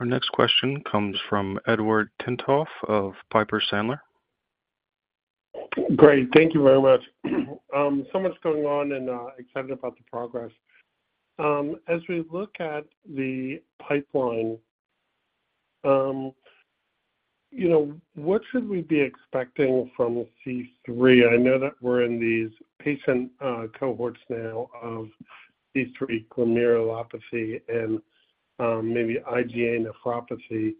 Our next question comes from Edward Tenthoff of Piper Sandler. Great. Thank you very much. so much going on and excited about the progress. As we look at the pipeline, you know, what should we be expecting from C three? I know that we're in these patient cohorts now of C three glomerulopathy and maybe IgA nephropathy.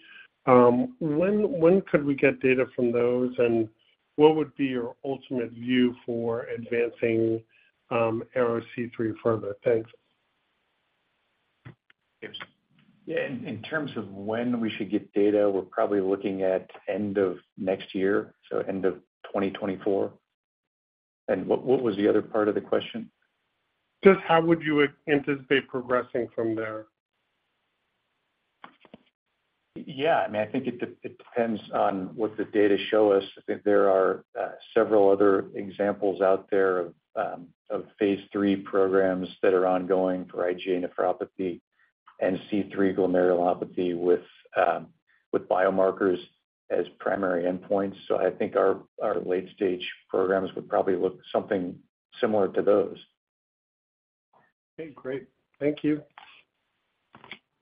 When, when could we get data from those, and what would be your ultimate view for advancing ARO-C three further? Thanks. James? Yeah, in, in terms of when we should get data, we're probably looking at end of next year, so end of 2024. What, what was the other part of the question? Just how would you anticipate progressing from there? Yeah, I mean, I think it depends on what the data show us. I think there are several other examples out there of of phase III programs that are ongoing for IgA nephropathy, and C3 glomerulopathy with with biomarkers as primary endpoints. I think our, our late stage programs would probably look something similar to those. Okay, great. Thank you.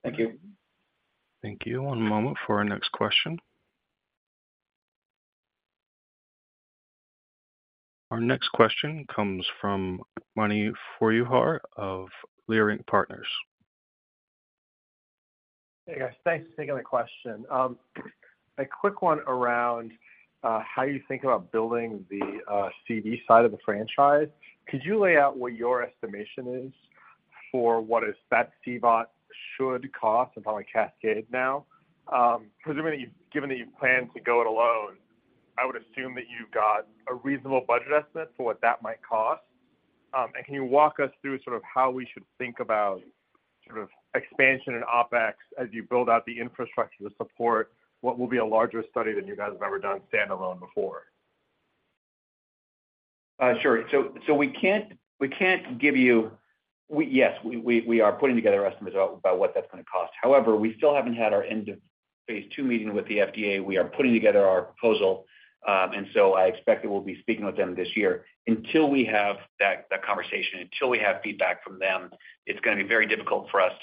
Thank you. Thank you. One moment for our next question. Our next question comes from Mani Foroohar of Leerink Partners. Hey, guys. Thanks for taking my question. A quick one around how you think about building the CV side of the franchise. Could you lay out what your estimation is for what is that C bot should cost, and probably cascade now? Presumably, given that you plan to go it alone, I would assume that you've got a reasonable budget estimate for what that might cost. Can you walk us through sort of how we should think about sort of expansion and OpEx as you build out the infrastructure to support what will be a larger study than you guys have ever done standalone before? Sure. So we can't, we can't give you. We... Yes, we are putting together estimates about what that's gonna cost. However, we still haven't had our end of phase II meeting with the FDA. We are putting together our proposal, and so I expect that we'll be speaking with them this year. Until we have that, that conversation, until we have feedback from them, it's gonna be very difficult for us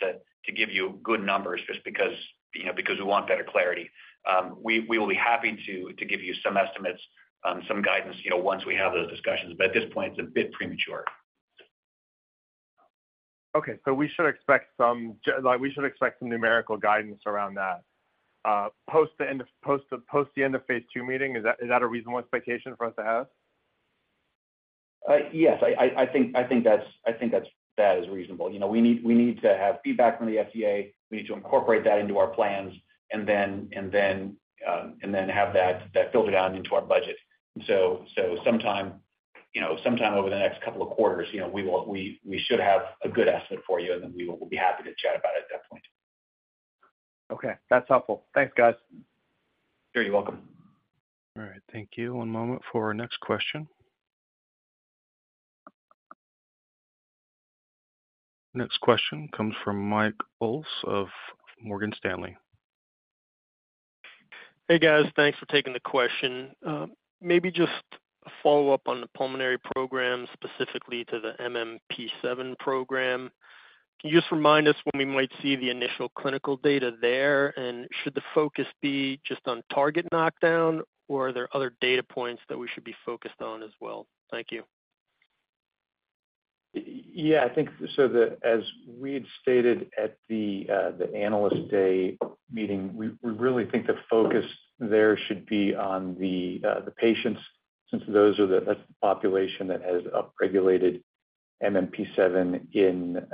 to give you good numbers just because, you know, because we want better clarity. We will be happy to give you some estimates, some guidance, you know, once we have those discussions, but at this point, it's a bit premature. Okay, we should expect some, like, we should expect some numerical guidance around that, post the end of phase II meeting? Is that, is that a reasonable expectation for us to have? Yes, I think, I think that's, I think that's, that is reasonable. You know, we need, we need to have feedback from the FDA. We need to incorporate that into our plans and then, and then, and then have that, that filtered down into our budget. Sometime, you know, sometime over the next couple of quarters, you know, we should have a good estimate for you, and then we will be happy to chat about it at that point. Okay, that's helpful. Thanks, guys. Sure. You're welcome. All right. Thank you. One moment for our next question. Next question comes from Mike Boles of Morgan Stanley. Hey, guys. Thanks for taking the question. maybe just a follow-up on the pulmonary program, specifically to the MMP-7 program. Can you just remind us when we might see the initial clinical data there? Should the focus be just on target knockdown, or are there other data points that we should be focused on as well? Thank you. I think so that as we had stated at the, the Analyst Day meeting, we, we really think the focus there should be on the, the patients, since those are that's the population that has upregulated MMP-7 in,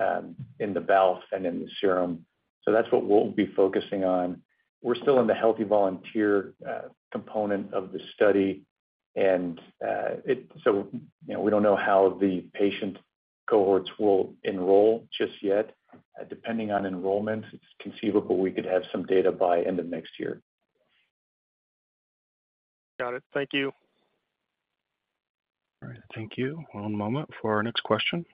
in the BALF and in the serum. That's what we'll be focusing on. We're still in the healthy volunteer, component of the study, and, you know, we don't know how the patient cohorts will enroll just yet. Depending on enrollment, it's conceivable we could have some data by end of next year. Got it. Thank you. All right. Thank you. One moment for our next question.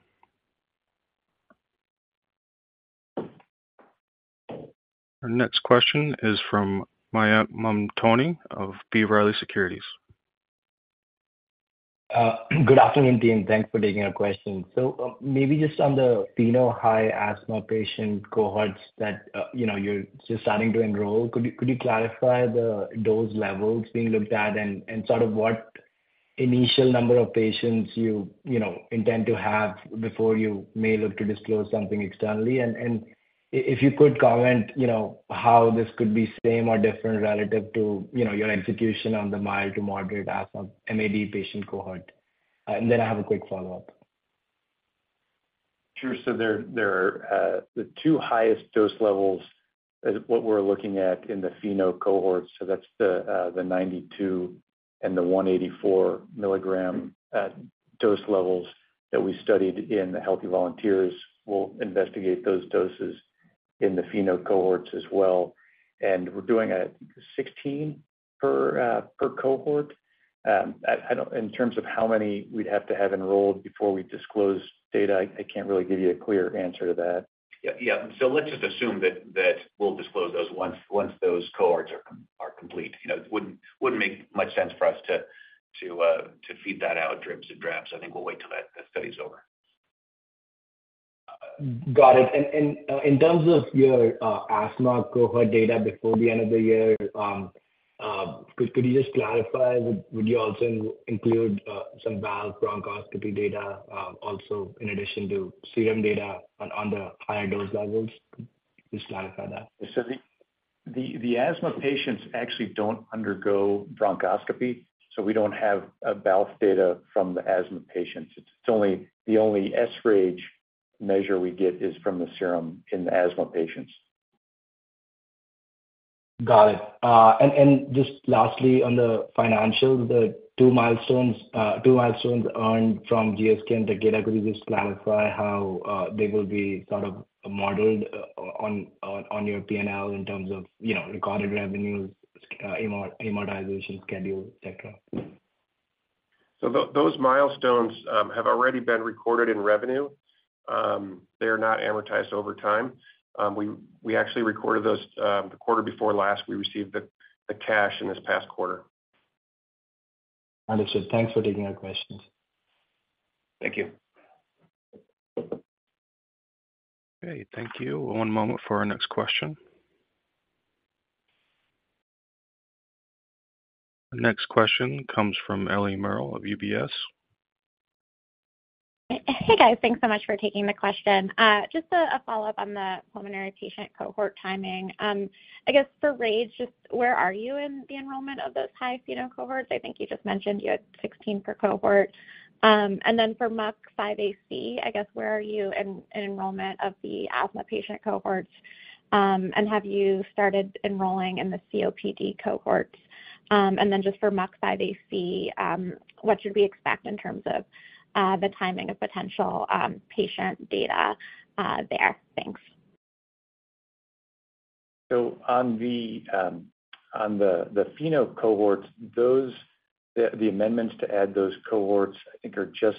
Our next question is from Mayank Mamtani of B. Riley Securities. Good afternoon, team. Thanks for taking our question. Maybe just on the pheno high asthma patient cohorts that, you know, you're just starting to enroll, could you, could you clarify the dose levels being looked at and, and sort of what initial number of patients you, you know, intend to have before you may look to disclose something externally? If you could comment, you know, how this could be same or different relative to, you know, your execution on the mild to moderate asthma MAD patient cohort. I have a quick follow-up. Sure. There, there are the two highest dose levels is what we're looking at in the pheno cohorts, so that's the 92 and the 184 mg dose levels that we studied in the healthy volunteers. We'll investigate those doses in the pheno cohorts as well, and we're doing it 16 per cohort. In terms of how many we'd have to have enrolled before we disclose data, I, I can't really give you a clear answer to that. Yeah, yeah, let's just assume that, that we'll disclose those once, once those cohorts are complete. You know, it wouldn't, wouldn't make much sense for us to, to feed that out in dribs and drabs. I think we'll wait till that, the study's over. Got it. In terms of your asthma cohort data before the end of the year, could you just clarify, would you also include some BAL bronchoscopy data, also in addition to serum data on the higher dose levels? Just clarify that. The asthma patients actually don't undergo bronchoscopy, so we don't have a BALF data from the asthma patients. The only S rage measure we get is from the serum in the asthma patients. Got it. And just lastly, on the financials, the 2 milestones, 2 milestones earned from GSK and the data, could you just clarify how they will be sort of modeled on your P&L in terms of, you know, recorded revenues, amortization schedule, et cetera? Those milestones have already been recorded in revenue. They are not amortized over time. We actually recorded those the quarter before last. We received the cash in this past quarter. Understood. Thanks for taking our questions. Thank you. Okay, thank you. One moment for our next question. The next question comes from Ellie Merle of UBS. Hey, guys. Thanks so much for taking the question. Just a follow-up on the pulmonary patient cohort timing. I guess for RAGE, just where are you in the enrollment of those high pheno cohorts? I think you just mentioned you had 16 for cohort. Then for MUC5AC, I guess, where are you in enrollment of the asthma patient cohorts? Have you started enrolling in the COPD cohorts? Then just for MUC5AC, what should we expect in terms of the timing of potential patient data there? Thanks. On the pheno cohorts, those, the amendments to add those cohorts, I think, are just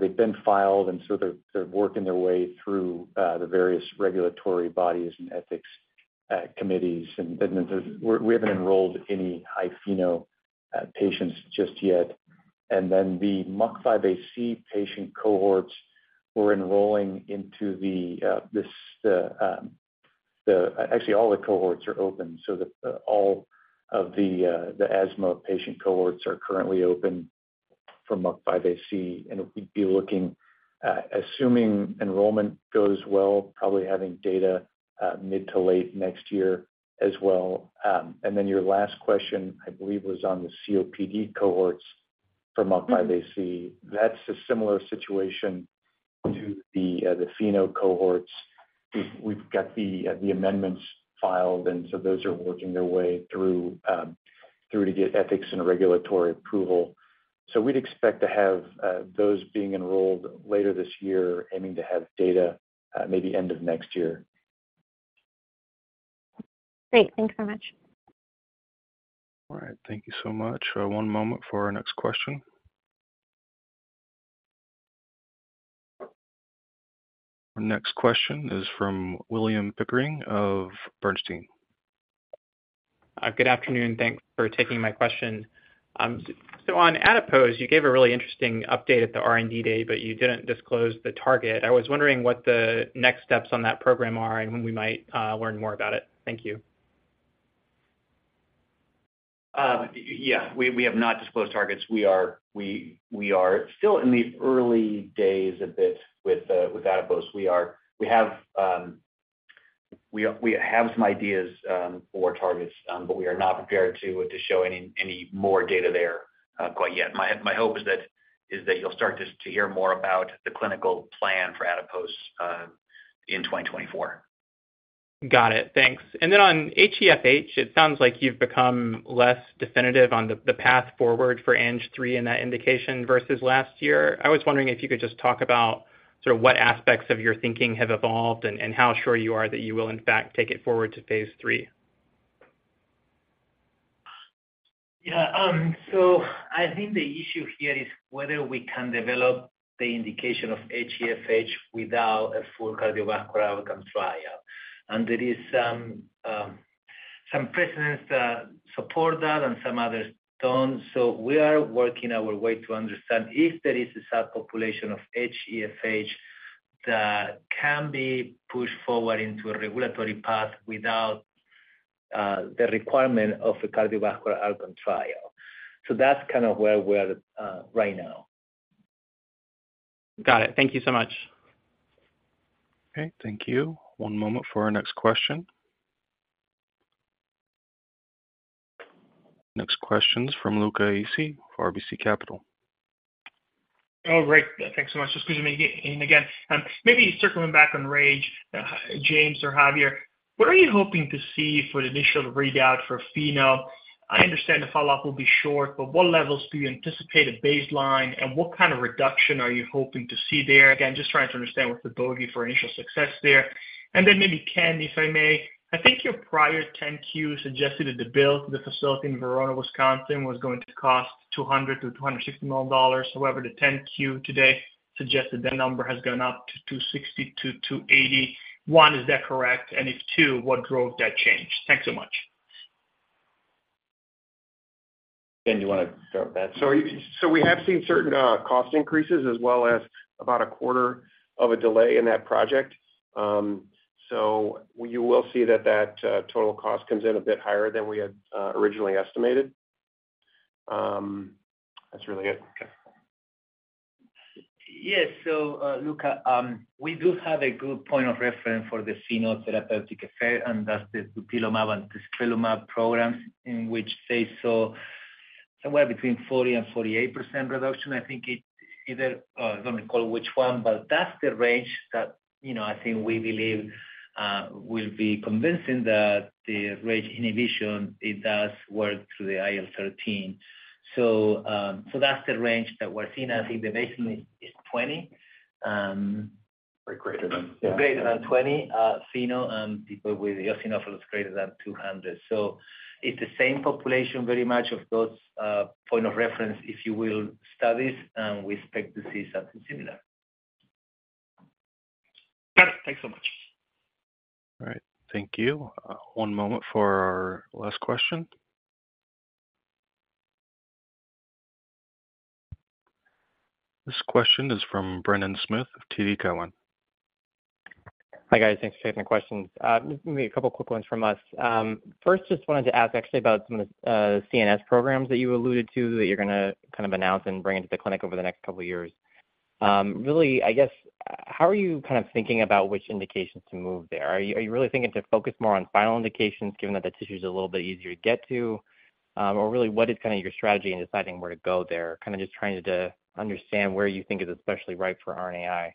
they've been filed, and so they're working their way through the various regulatory bodies and ethics committees. We haven't enrolled any high pheno patients just yet. The MUC5AC patient cohorts, we're enrolling into this. Actually, all the cohorts are open, so all of the asthma patient cohorts are currently open for MUC5AC. We'd be looking, assuming enrollment goes well, probably having data mid to late next year as well. Your last question, I believe, was on the COPD cohorts for MUC5AC. That's a similar situation to the pheno cohorts. We've got the amendments filed. Those are working their way through to get ethics and regulatory approval. We'd expect to have those being enrolled later this year, aiming to have data maybe end of next year. Great. Thank you so much. All right, thank you so much. One moment for our next question. Our next question is from William Pickering of Bernstein. Good afternoon. Thanks for taking my question. On Adipose, you gave a really interesting update at the R&D Day, but you didn't disclose the target. I was wondering what the next steps on that program are and when we might learn more about it. Thank you. Yeah, we, we have not disclosed targets. We, we are still in the early days a bit with Adipose. We have, we, we have some ideas for targets, but we are not prepared to, to show any, any more data there quite yet. My, my hope is that, is that you'll start to hear more about the clinical plan for Adipose in 2024. Got it. Thanks. Then on HoFH, it sounds like you've become less definitive on the, the path forward for ARO-ANG3 in that indication versus last year. I was wondering if you could just talk about sort of what aspects of your thinking have evolved and, and how sure you are that you will, in fact, take it forward to phase III? Yeah, so I think the issue here is whether we can develop the indication of HoFH without a full cardiovascular outcome trial. There is some precedents that support that and some others don't. We are working our way to understand if there is a subpopulation of HoFH that can be pushed forward into a regulatory path without the requirement of a cardiovascular outcome trial. That's kind of where we're right now. Got it. Thank you so much. Okay, thank you. One moment for our next question. Next question is from Luca Issi of RBC Capital. Oh, great. Thanks so much. Excuse me, again. maybe circling back on RAGE, James or Javier, what are you hoping to see for the initial readout for pheno? I understand the follow-up will be short, but what levels do you anticipate at baseline, and what kind of reduction are you hoping to see there? Again, just trying to understand what's the bogey for initial success there? Then maybe, Ken, if I may, I think your prior 10-Q suggested that the build, the facility in Verona, Wisconsin, was going to cost $200 to 260 million. However, the Ten-Q today suggested that number has gone up to $260 to 280 million. One, is that correct? If two, what drove that change? Thanks so much. Ken, do you want to start that? We have seen certain, cost increases as well as about a quarter of a delay in that project. You will see that, that, total cost comes in a bit higher than we had, originally estimated. That's really it. Okay. Yes. Luca, we do have a good point of reference for the phenotherapeutic effect, and that's the Dupilumab and Trispilumab programs, in which say so somewhere between 40% and 48% reduction. I think it's either, I don't recall which one, but that's the range that, you know, I think we believe will be convincing that the RAGE inhibition, it does work through the IL-13. That's the range that we're seeing. I think the baseline is 20.... greater than 20, pheno and people with eosinophils greater than 200. It's the same population, very much, of those, point of reference, if you will, studies, and we expect to see something similar. Thanks so much. All right, thank you. one moment for our last question. This question is from Brendan Smith of TD Cowen. Hi, guys. Thanks for taking the questions. Maybe a couple quick ones from us. First, just wanted to ask actually about some of the CNS programs that you alluded to, that you're gonna kind of announce and bring into the clinic over the next couple of years. Really, I guess, how are you kind of thinking about which indications to move there? Are you, are you really thinking to focus more on final indications, given that the tissue is a little bit easier to get to? Or really, what is kind of your strategy in deciding where to go there? Kind of just trying to understand where you think is especially right for RNAi.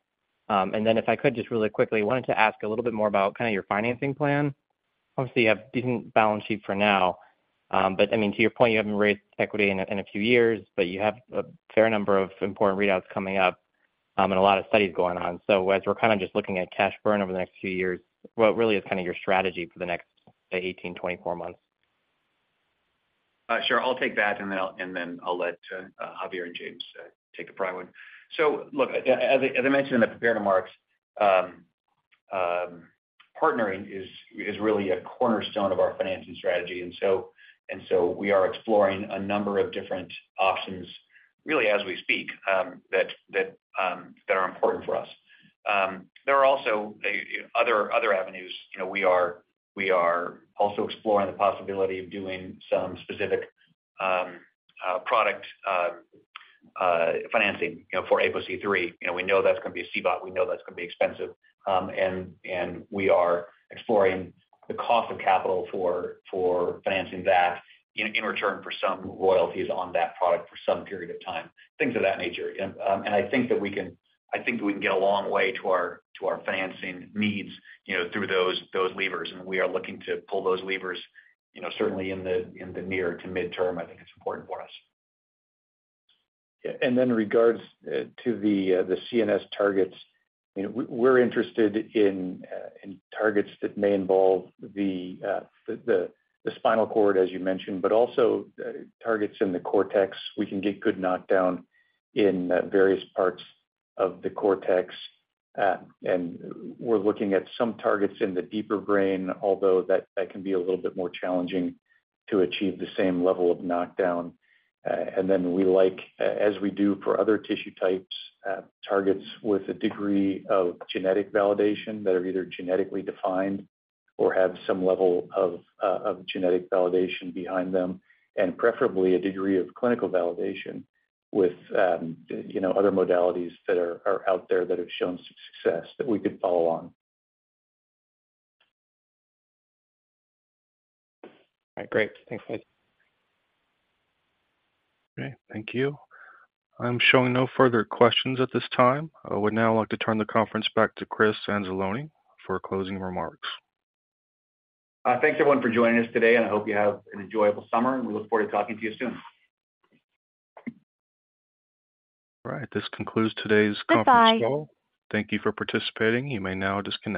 And then if I could, just really quickly, wanted to ask a little bit more about kind of your financing plan. Obviously, you have a decent balance sheet for now, but I mean, to your point, you haven't raised equity in a, in a few years, but you have a fair number of important readouts coming up, and a lot of studies going on. As we're kind of just looking at cash burn over the next 18 to 24 months? Sure. I'll take that, and then I'll, and then I'll let Javier and James take the prior one. Look, as I, as I mentioned in the prepared remarks, partnering is, is really a cornerstone of our financing strategy, and so, and so we are exploring a number of different options, really, as we speak, that, that, that are important for us. There are also, you know, other, other avenues. You know, we are, we are also exploring the possibility of doing some specific product financing, you know, for APOC3. You know, we know that's going to be a CBOT. We know that's going to be expensive, and, and we are exploring the cost of capital for, for financing that in, in return for some royalties on that product for some period of time, things of that nature. I think that we can... I think we can get a long way to our, to our financing needs, you know, through those, those levers, and we are looking to pull those levers, you know, certainly in the, in the near to midterm. I think it's important for us. Then in regards to the CNS targets, you know, we're, we're interested in targets that may involve the spinal cord, as you mentioned, but also targets in the cortex. We can get good knockdown in various parts of the cortex, and we're looking at some targets in the deeper brain, although that, that can be a little bit more challenging to achieve the same level of knockdown. Then we like, as we do for other tissue types, targets with a degree of genetic validation that are either genetically defined or have some level of genetic validation behind them, and preferably a degree of clinical validation with, you know, other modalities that are, are out there that have shown success that we could follow on. All right. Great. Thanks, guys. Okay, thank you. I'm showing no further questions at this time. I would now like to turn the conference back to Chris Anzalone for closing remarks. Thanks, everyone, for joining us today, and I hope you have an enjoyable summer, and we look forward to talking to you soon. All right. This concludes today's conference call. Bye-bye. Thank you for participating. You may now disconnect.